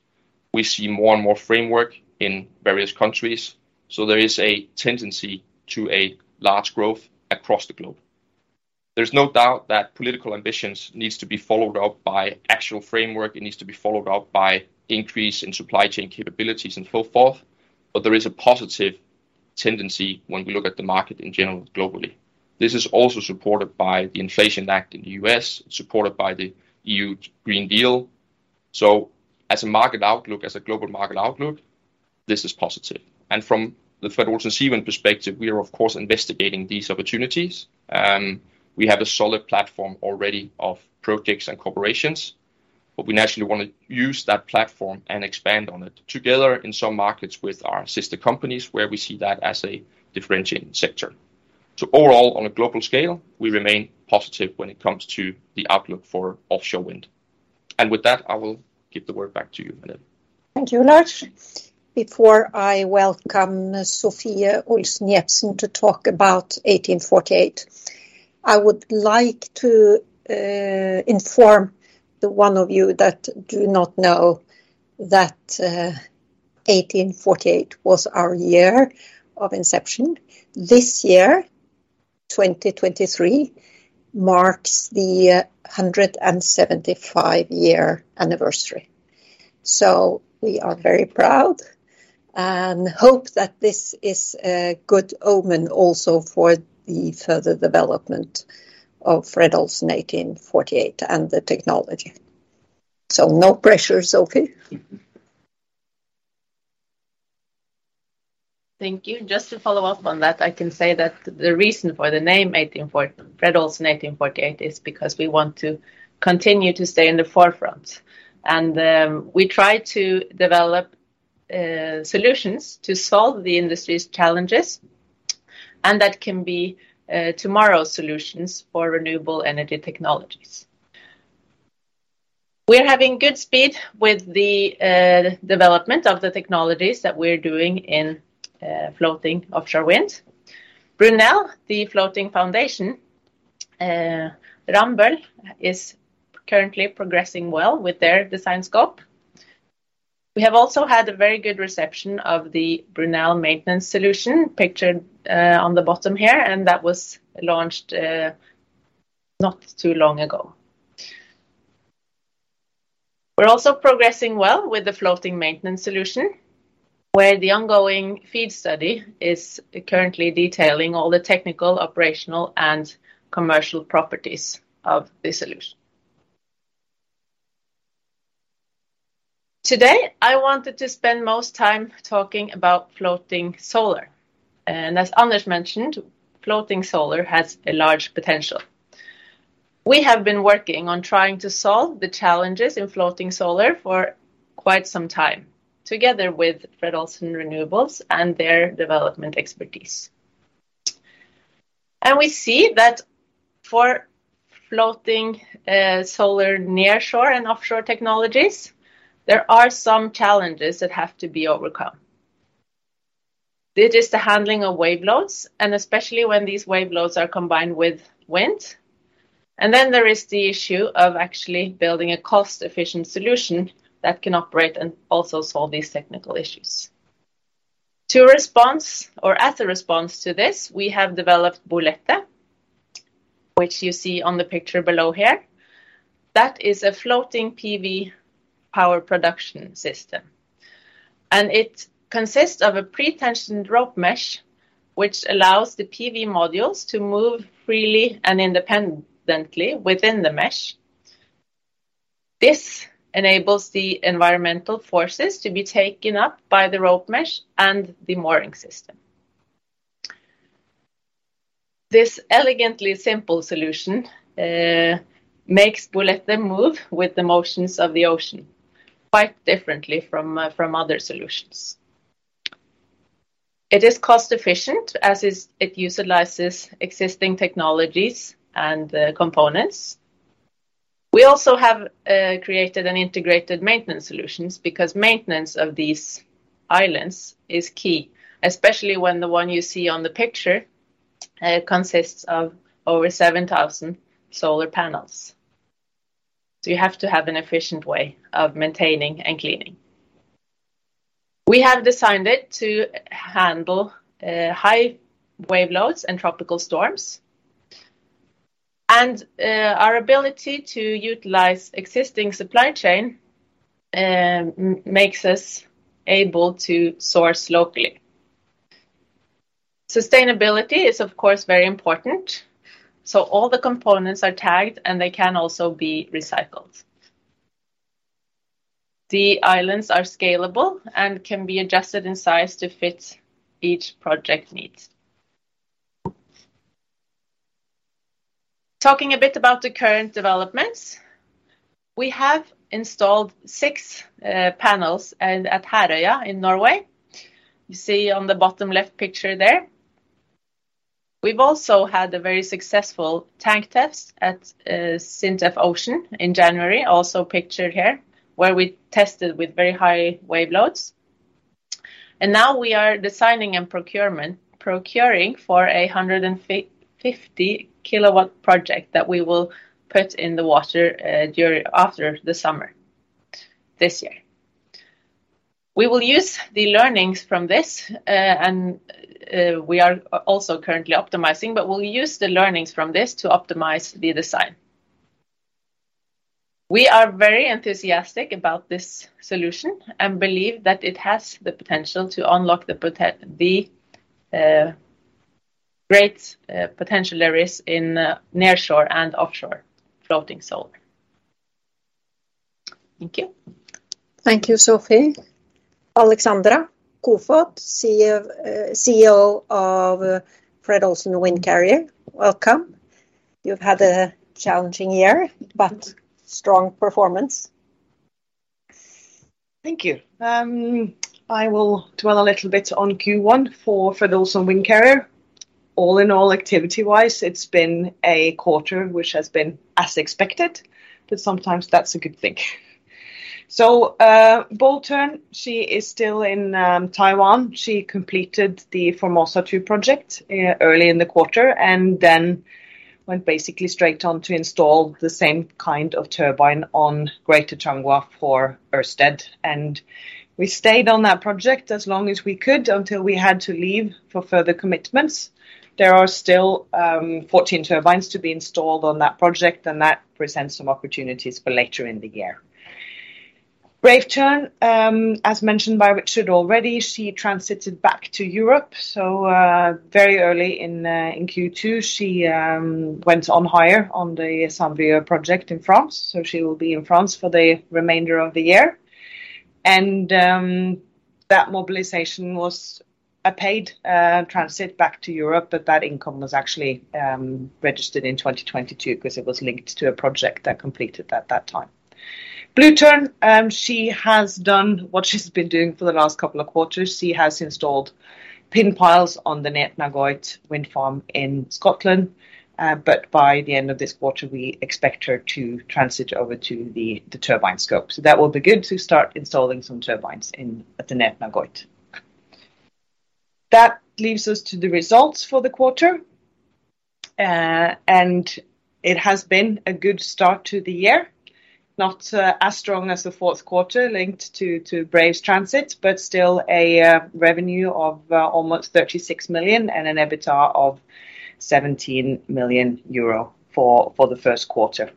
We see more and more framework in various countries. There is a tendency to a large growth across the globe. There's no doubt that political ambitions needs to be followed up by actual framework. It needs to be followed up by increase in supply chain capabilities and so forth. There is a positive tendency when we look at the market in general globally. This is also supported by the Inflation Act in the U.S., supported by the EU Green Deal. As a market outlook, as a global market outlook, this is positive. From the Fred. Olsen Seawind perspective, we are of course investigating these opportunities. We have a solid platform already of projects and corporations, but we naturally want to use that platform and expand on it together in some markets with our sister companies, where we see that as a differentiating sector. Overall, on a global scale, we remain positive when it comes to the outlook for offshore wind. With that, I will give the word back to you, Anette. Thank you, Lars. Before I welcome Sofie Olsen Jebsen to talk about 1848, I would like to inform the one of you that do not know that 1848 was our year of inception. This year, 2023, marks the 175 year anniversary. We are very proud and hope that this is a good omen also for the further development of Fred. Olsen 1848 and the technology. No pressure, Sofie. Thank you. Just to follow up on that, I can say that the reason for the name Fred. Olsen 1848 is because we want to continue to stay in the forefront. We try to develop solutions to solve the industry's challenges, and that can be tomorrow's solutions for renewable energy technologies. We're having good speed with the development of the technologies that we're doing in floating offshore wind. Brunel, the floating foundation, Ramboll is currently progressing well with their design scope. We have also had a very good reception of the Brunel maintenance solution pictured on the bottom here, and that was launched not too long ago. We're also progressing well with the floating maintenance solution, where the ongoing FEED study is currently detailing all the technical, operational, and commercial properties of the solution. Today, I wanted to spend most time talking about floating solar. As Anders mentioned, floating solar has a large potential. We have been working on trying to solve the challenges in floating solar for quite some time, together with Fred. Olsen Renewables and their development expertise. We see that for floating solar nearshore and offshore technologies, there are some challenges that have to be overcome. It is the handling of wave loads, and especially when these wave loads are combined with wind. There is the issue of actually building a cost-efficient solution that can operate and also solve these technical issues. As a response to this, we have developed Bolette, which you see on the picture below here. That is a floating PV power production system. It consists of a pre-tensioned rope mesh, which allows the PV modules to move freely and independently within the mesh. This enables the environmental forces to be taken up by the rope mesh and the mooring system. This elegantly simple solution makes Bolette move with the motions of the ocean quite differently from other solutions. It is cost efficient as it utilizes existing technologies and components. We also have created an integrated maintenance solutions because maintenance of these islands is key, especially when the one you see on the picture consists of over 7,000 solar panels. You have to have an efficient way of maintaining and cleaning. We have designed it to handle high wave loads and tropical storms. Our ability to utilize existing supply chain makes us able to source locally. Sustainability is, of course, very important, so all the components are tagged, and they can also be recycled. The islands are scalable and can be adjusted in size to fit each project needs. Talking a bit about the current developments, we have installed six panels at Herøya in Norway. You see on the bottom left picture there. We've also had a very successful tank test at SINTEF Ocean in January, also pictured here, where we tested with very high wave loads. Now we are designing and procuring for a 150 kilowatts project that we will put in the water after the summer this year. We will use the learnings from this, and we are also currently optimizing. We'll use the learnings from this to optimize the design. We are very enthusiastic about this solution and believe that it has the potential to unlock the great potential there is in nearshore and offshore floating solar. Thank you. Thank you, Sofie. Alexandra Koefoed, CEO of Fred. Olsen Windcarrier, welcome. You've had a challenging year but strong performance. Thank you. I will dwell a little bit on Q1 for Fred. Olsen Windcarrier. All in all, activity-wise, it's been a quarter which has been as expected, but sometimes that's a good thing. Bold Tern, she is still in Taiwan. She completed the Formosa 2 project early in the quarter and then went basically straight on to install the same kind of turbine on Greater Changhua for Ørsted. We stayed on that project as long as we could until we had to leave for further commitments. There are still 14 turbines to be installed on that project, that presents some opportunities for later in the year. Brave Tern, as mentioned by Richard already, she transited back to Europe. Very early in Q2, she went on hire on the Saint-Brieuc project in France, so she will be in France for the remainder of the year. That mobilization was a paid transit back to Europe, but that income was actually registered in 2022 because it was linked to a project that completed at that time. Blue Tern, she has done what she's been doing for the last couple of quarters. She has installed pin piles on the Neart na Gaoithe Wind Farm in Scotland. By the end of this quarter, we expect her to transit over to the turbine scope. That will be good to start installing some turbines at the Neart na Gaoithe. That leaves us to the results for the quarter. It has been a good start to the year. Not as strong as the fourth quarter linked to Brave Tern's transit, but still a revenue of almost 36 million and an EBITDA of 17 million euro for the first quarter.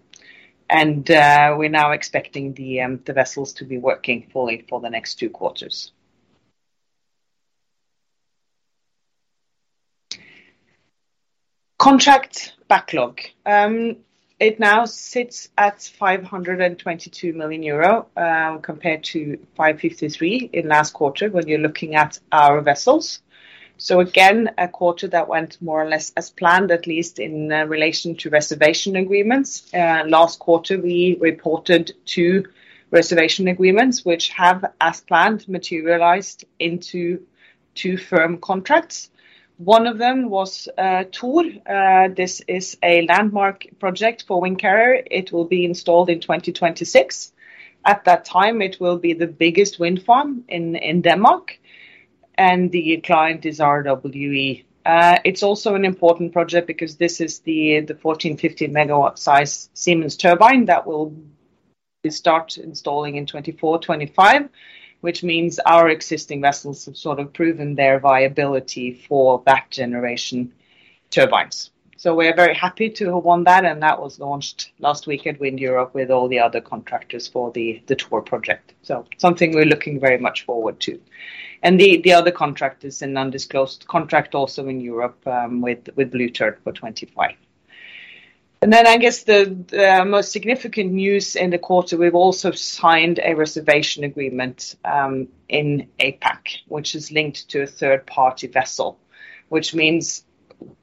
We're now expecting the vessels to be working fully for the next two quarters. Contract backlog. It now sits at 522 million euro, compared to 553 million in last quarter when you're looking at our vessels. Again, a quarter that went more or less as planned, at least in relation to reservation agreements. Last quarter we reported two reservation agreements which have, as planned, materialized into two firm contracts. One of them was Thor. This is a landmark project for Windcarrier. It will be installed in 2026. At that time, it will be the biggest wind farm in Denmark. The client is RWE. It's also an important project because this is the 14, 15 megawatts size Siemens turbine that we'll start installing in 2024, 2025, which means our existing vessels have sort of proven their viability for that generation turbines. We are very happy to have won that, and that was launched last week at WindEurope with all the other contractors for the Thor Project. Something we're looking very much forward to. The other contract is an undisclosed contract also in Europe, with Blue Tern for 2025. I guess the most significant news in the quarter, we've also signed a reservation agreement in APAC, which is linked to a third-party vessel, which means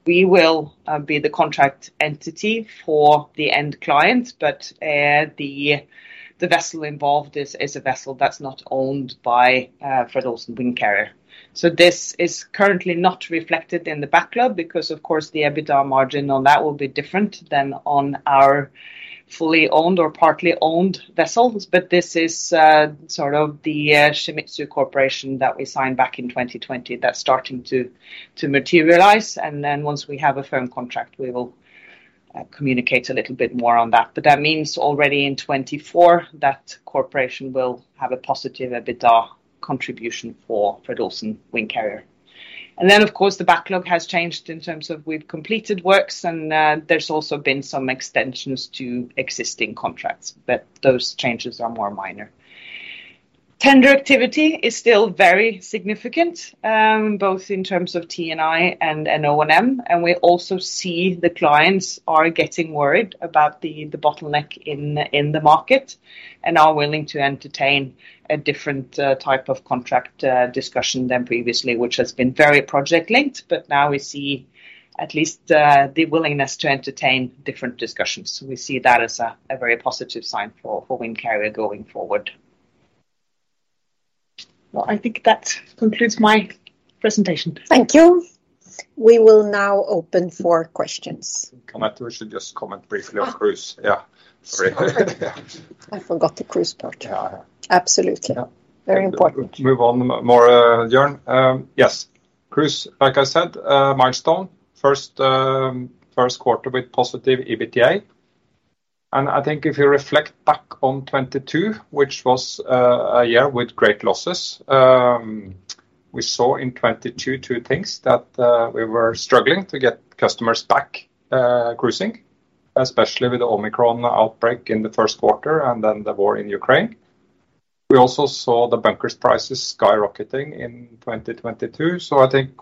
we will be the contract entity for the end client. The vessel involved is a vessel that's not owned by Fred. Olsen Windcarrier. This is currently not reflected in the backlog because of course the EBITDA margin on that will be different than on our fully owned or partly owned vessels. This is sort of the Shimizu Corporation that we signed back in 2020 that's starting to materialize. Once we have a firm contract, we will communicate a little bit more on that. That means already in 2024, that corporation will have a positive EBITDA contribution for Fred. Olsen Windcarrier. Of course the backlog has changed in terms of we've completed works and there's also been some extensions to existing contracts, but those changes are more minor. Tender activity is still very significant, both in terms of T&I and O&M, and we also see the clients are getting worried about the bottleneck in the market and are willing to entertain a different type of contract discussion than previously, which has been very project linked. Now we see at least the willingness to entertain different discussions. We see that as a very positive sign for Windcarrier going forward. Well, I think that concludes my presentation. Thank you. We will now open for questions. I think we should just comment briefly on cruise Yeah. Sorry. I forgot the cruise part. Yeah, yeah. Absolutely. Yeah. Very important. Move on more, Jørn. Yes. Cruise, like I said, a milestone. First, first quarter with positive EBITDA. I think if you reflect back on 2022, which was a year with great losses, we saw in 2022 two things that we were struggling to get customers back cruising, especially with the Omicron outbreak in the first quarter and then the war in Ukraine. We also saw the bunkers prices skyrocketing in 2022. I think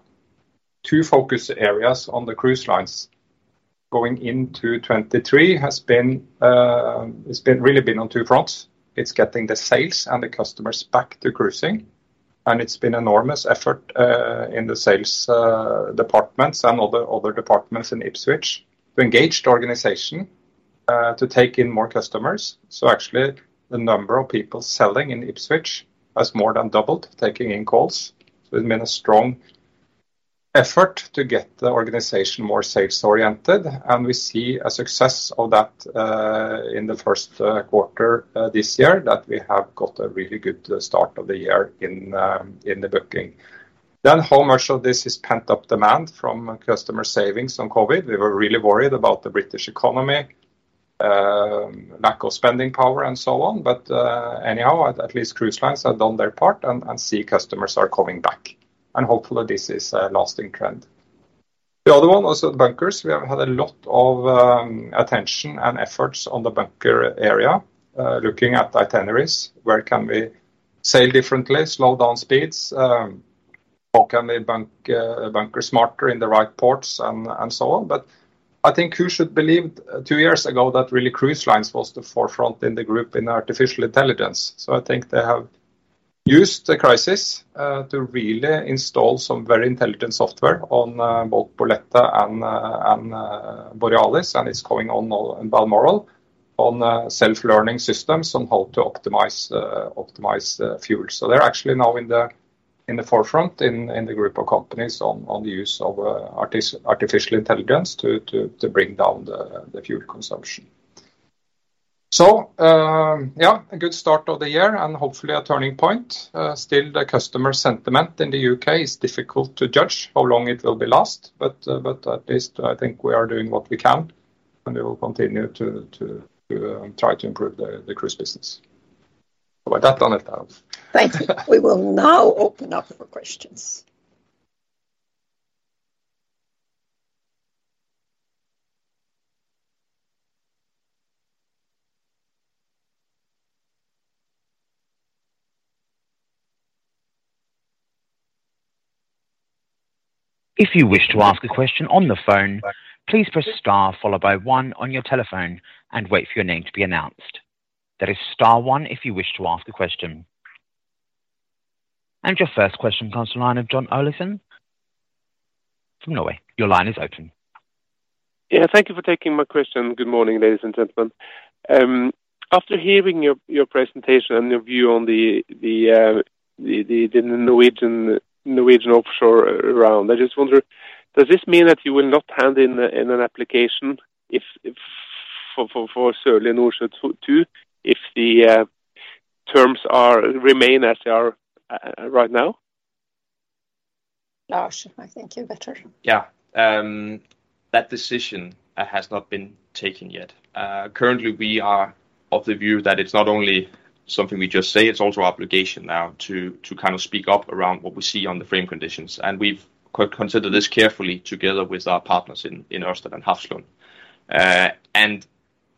two focus areas on the cruise lines going into 2023 has really been on two fronts. It's getting the sales and the customers back to cruising, and it's been enormous effort in the sales departments and other departments in Ipswich to engage the organization to take in more customers. Actually the number of people selling in Ipswich has more than doubled, taking in calls. It's been a strong effort to get the organization more sales oriented, and we see a success of that in the first quarter this year that we have got a really good start of the year in the booking. How much of this is pent up demand from customer savings on COVID? We were really worried about the British economy, lack of spending power and so on. Anyhow at least cruise lines have done their part and see customers are coming back and hopefully this is a lasting trend. The other one was the bunkers. We have had a lot of attention and efforts on the bunker area, looking at itineraries, where can we sail differently, slow down speeds, or can they bunker smarter in the right ports and so on. I think who should believe 2 years ago that really cruise lines was the forefront in the group in artificial intelligence. I think they have used the crisis to really install some very intelligent software on both Bolette and Borealis and it's going on now in Balmoral on self-learning systems on how to optimize fuel. They're actually now in the forefront in the group of companies on the use of artificial intelligence to bring down the fuel consumption. Yeah, a good start of the year and hopefully a turning point. Still the customer sentiment in the UK is difficult to judge how long it will be last, but at least I think we are doing what we can and we will continue to try to improve the cruise business. With that done, it does. Thank you. We will now open up for questions. If you wish to ask a question on the phone, please press star followed by one on your telephone and wait for your name to be announced. That is star one if you wish to ask a question. Your first question comes from the line of John Olaisen from Norway. Your line is open. Yeah, thank you for taking my question. Good morning, ladies and gentlemen. After hearing your presentation and your view on the Norwegian offshore round, I just wonder, does this mean that you will not hand in an application if for Sørlige Nordsjø II if the terms remain as they are right now? Lars, I think you better. Yeah. That decision has been taken yet. Currently we are of the view that it's not only something we just say, it's also obligation now to kind of speak up around what we see on the frame conditions. We've considered this carefully together with our partners in Ørsted and Hafslund.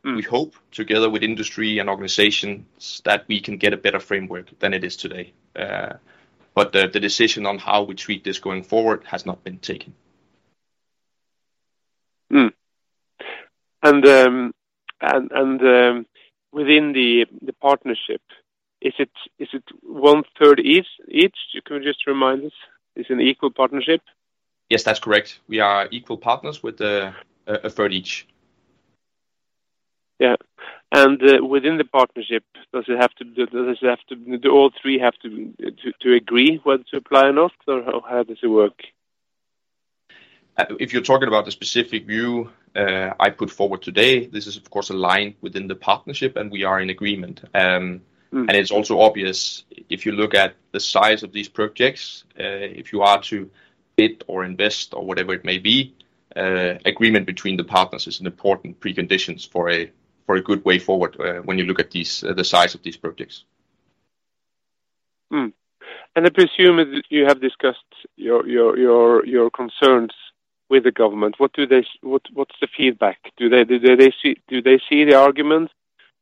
We hope together with industry and organizations that we can get a better framework than it is today. The decision on how we treat this going forward has not been taken. Within the partnership, is it one-third each? You can just remind us. It's an equal partnership? Yes, that's correct. We are equal partners with a third each. Yeah. Within the partnership, does this have to do all three have to agree when to apply or not? How does it work? If you're talking about the specific view, I put forward today, this is of course aligned within the partnership. We are in agreement. It's also obvious if you look at the size of these projects, if you are to bid or invest or whatever it may be, agreement between the partners is an important preconditions for a, for a good way forward when you look at these, the size of these projects. I presume you have discussed your concerns with the government. What's the feedback? Do they see the argument?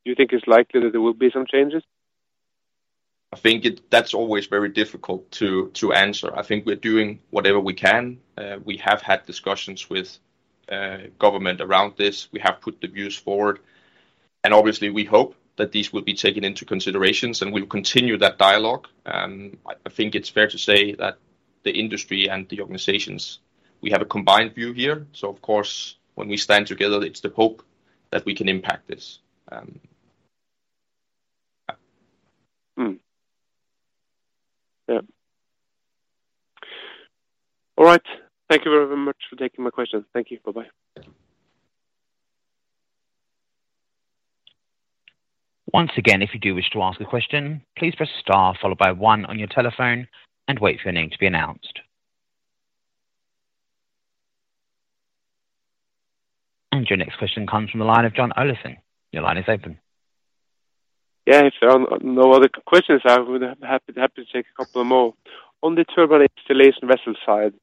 Do you think it's likely that there will be some changes? I think that's always very difficult to answer. I think we're doing whatever we can. We have had discussions with government around this. We have put the views forward, and obviously we hope that these will be taken into considerations, and we'll continue that dialogue. I think it's fair to say that the industry and the organizations, we have a combined view here, so of course, when we stand together, it's the hope that we can impact this. Yeah. All right. Thank you very much for taking my questions. Thank you. Bye-bye. Once again, if you do wish to ask a question, please press star followed by one on your telephone and wait for your name to be announced. Your next question comes from the line of John Olaisen. Your line is open. Yeah. If no other questions, I would happy to take a couple of more. On the turbine installation vessel side,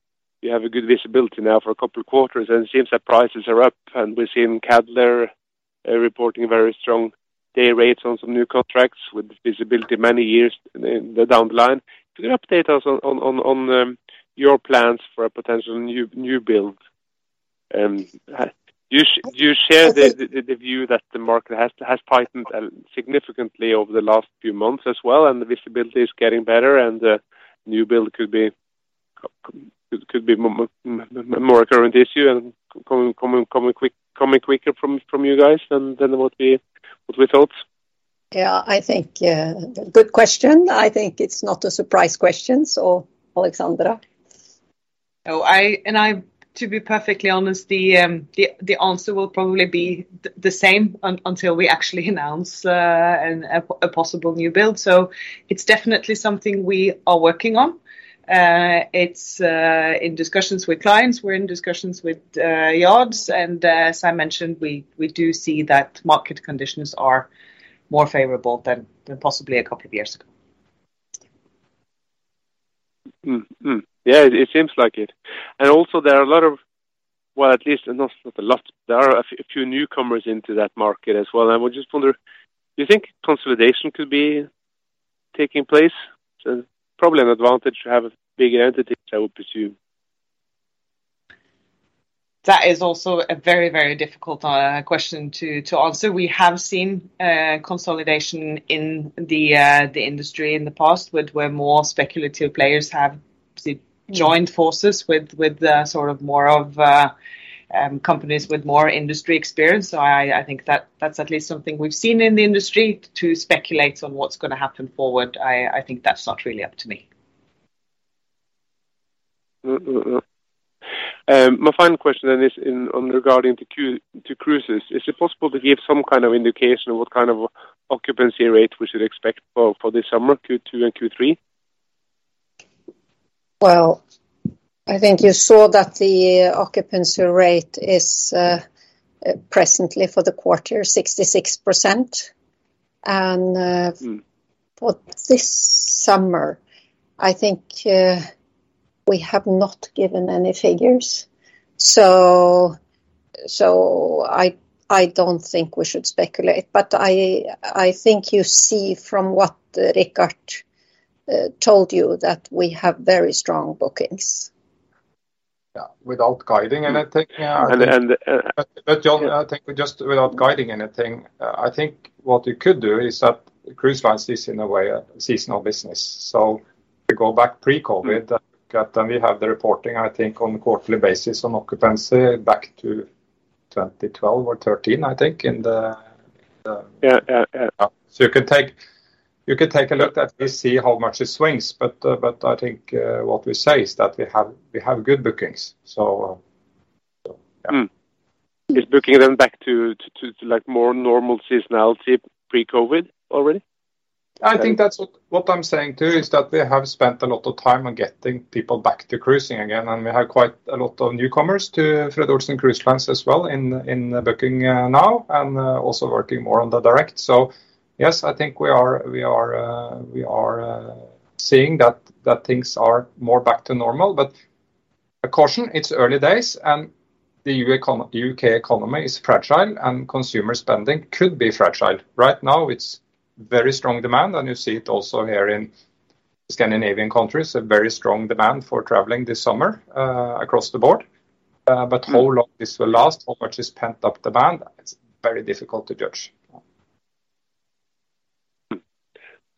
you have a good visibility now for a couple quarters. It seems that prices are up. We're seeing Cadeler reporting very strong day rates on some new contracts with visibility many years down the line. Could you update us on your plans for a potential new build? I think- Do you share the view that the market has tightened significantly over the last few months as well, and the visibility is getting better, and a new build could be more a current issue and coming quick, coming quicker from you guys, and then what we thought? I think, good question. I think it's not a surprise question. Alexandra. I, to be perfectly honest, the answer will probably be the same until we actually announce a possible new build. It's definitely something we are working on. It's in discussions with clients, we're in discussions with yards, as I mentioned, we do see that market conditions are more favorable than possibly a couple of years ago. Yeah, it seems like it. Also there are a lot of... Well, at least, not a lot, there are a few newcomers into that market as well. I just wonder, do you think consolidation could be taking place? Probably an advantage to have a bigger entity, I would presume. That is also a very, very difficult question to answer. We have seen consolidation in the industry in the past with where more speculative players have joined forces with the sort of more of companies with more industry experience. I think that's at least something we've seen in the industry to speculate on what's gonna happen forward. I think that's not really up to me. My final question then is regarding cruises. Is it possible to give some kind of indication of what kind of occupancy rate we should expect for this summer, Q2 and Q3? I think you saw that the occupancy rate is presently for the quarter 66%. For this summer, I think, we have not given any figures. I don't think we should speculate, but I think you see from what Richard told you that we have very strong bookings. Yeah. Without guiding anything. Jon, I think we just without guiding anything, I think what you could do is that cruise lines is in a way a seasonal business. If you go back pre-COVID, and we have the reporting, I think on a quarterly basis on occupancy back to 2012 or 2013, I think in the. Yeah. Yeah. Yeah.... you can take a look at this, see how much it swings. I think what we say is that we have good bookings. So. Is booking then back to like more normal seasonality pre-COVID already? I think that's what I'm saying too is that we have spent a lot of time on getting people back to cruising again. We have quite a lot of newcomers to Fred. Olsen Cruise Lines as well in the booking now and also working more on the direct. Yes, I think we are seeing that things are more back to normal, but a caution, it's early days. The U.K. economy is fragile. Consumer spending could be fragile. Right now, it's very strong demand. You see it also here in Scandinavian countries, a very strong demand for traveling this summer across the board. How long this will last or which is pent-up demand, it's very difficult to judge.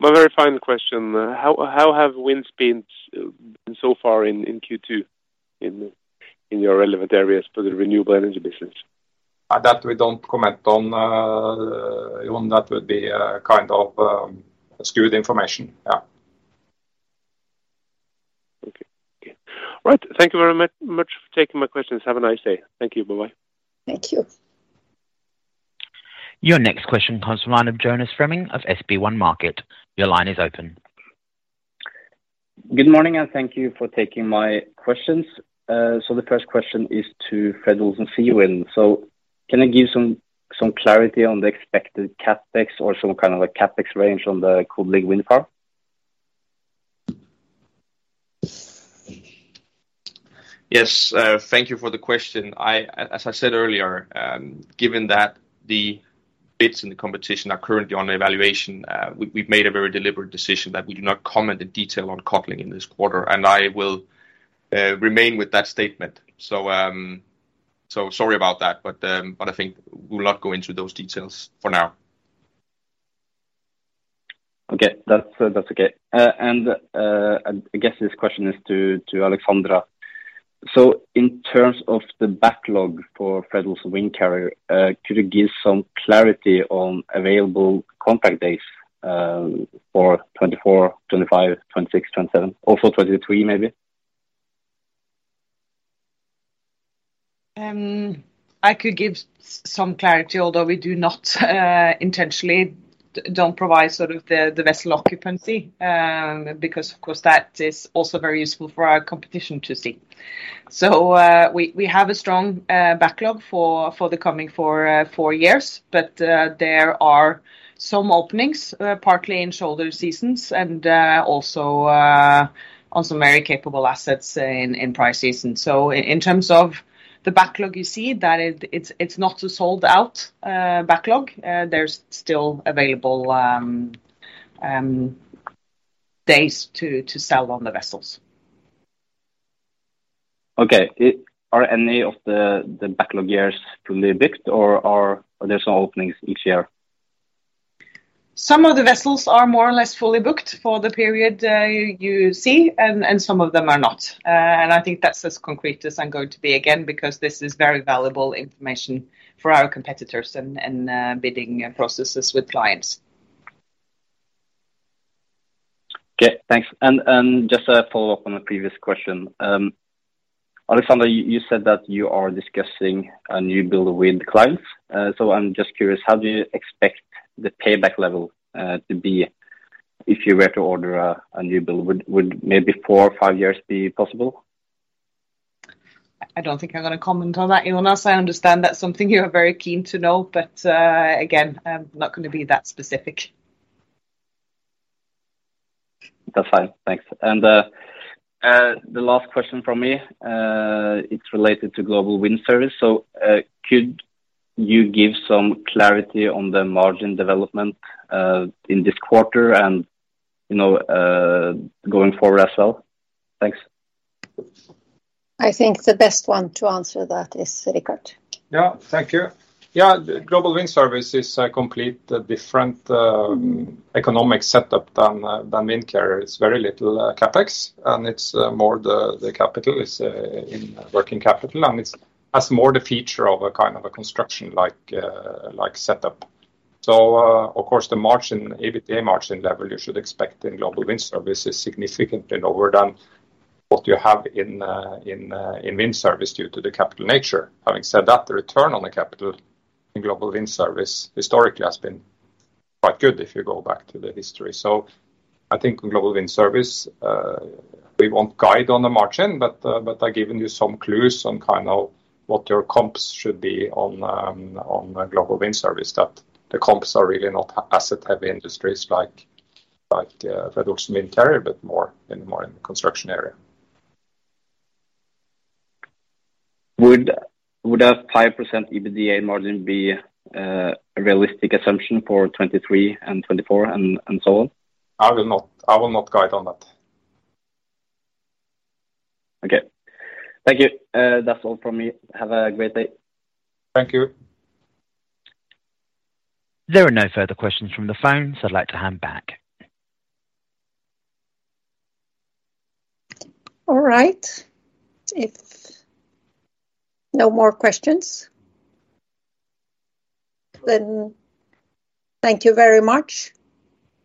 My very final question. How have winds been so far in Q2 in your relevant areas for the renewable energy business? That we don't comment on. Jon, that would be, kind of, skewed information. Yeah. Okay. Okay. All right. Thank you very much for taking my questions. Have a nice day. Thank you. Bye-bye. Thank you. Your next question comes from line of Jonas Fremming of SB1 Markets. Your line is open. Good morning, thank you for taking my questions. The first question is to Fred. Olsen Seawind. Can I give some clarity on the expected CapEx or some kind of a CapEx range on the Codling wind farm? Yes, thank you for the question. As I said earlier, given that the bids in the competition are currently on evaluation, we've made a very deliberate decision that we do not comment in detail on Codling in this quarter, and I will remain with that statement. So sorry about that, I think we'll not go into those details for now. Okay. That's okay. I guess this question is to Alexandra. In terms of the backlog for Fred. Olsen Windcarrier, could you give some clarity on available contract days for 2024, 2025, 2026, 2027? Also 2023, maybe. I could give some clarity, although we do not intentionally don't provide the vessel occupancy, because of course, that is also very useful for our competition to see. We have a strong backlog for the coming four years. There are some openings partly in shoulder seasons and also on some very capable assets in price season. In terms of the backlog, you see that it's not a sold out backlog. There's still available days to sell on the vessels. Okay. Are any of the backlog years fully booked or are there some openings each year? Some of the vessels are more or less fully booked for the period, you see, and some of them are not. I think that's as concrete as I'm going to be again, because this is very valuable information for our competitors and bidding processes with clients. Okay, thanks. Just a follow-up on a previous question. Alexandra, you said that you are discussing a new build with clients. I'm just curious, how do you expect the payback level to be if you were to order a new build? Would maybe four or five years be possible? I don't think I'm gonna comment on that, Jonas. I understand that's something you are very keen to know, but again, I'm not gonna be that specific. That's fine. Thanks. The last question from me, it's related to Global Wind Service. Could you give some clarity on the margin development in this quarter and, you know, going forward as well? Thanks. I think the best one to answer that is Richard. Yeah. Thank you. Yeah. Global Wind Service is a complete different economic setup than Windcarrier. It's very little CapEx, and it's more the capital is in working capital, and it's has more the feature of a kind of a construction like setup. Of course, the margin, EBITDA margin level you should expect in Global Wind Service is significantly lower than what you have in Wind Service due to the capital nature. Having said that, the return on the capital in Global Wind Service historically has been quite good if you go back to the history. I think Global Wind Service, we won't guide on the margin, but I've given you some clues on kind of what your comps should be on Global Wind Service, that the comps are really not asset heavy industries like Fred. Olsen Windcarrier, but more in the construction area. Would a 5% EBITDA margin be a realistic assumption for 2023 and 2024 and so on? I will not guide on that. Okay. Thank you. That's all from me. Have a great day. Thank you. There are no further questions from the phones. I'd like to hand back. All right. If no more questions, then thank you very much.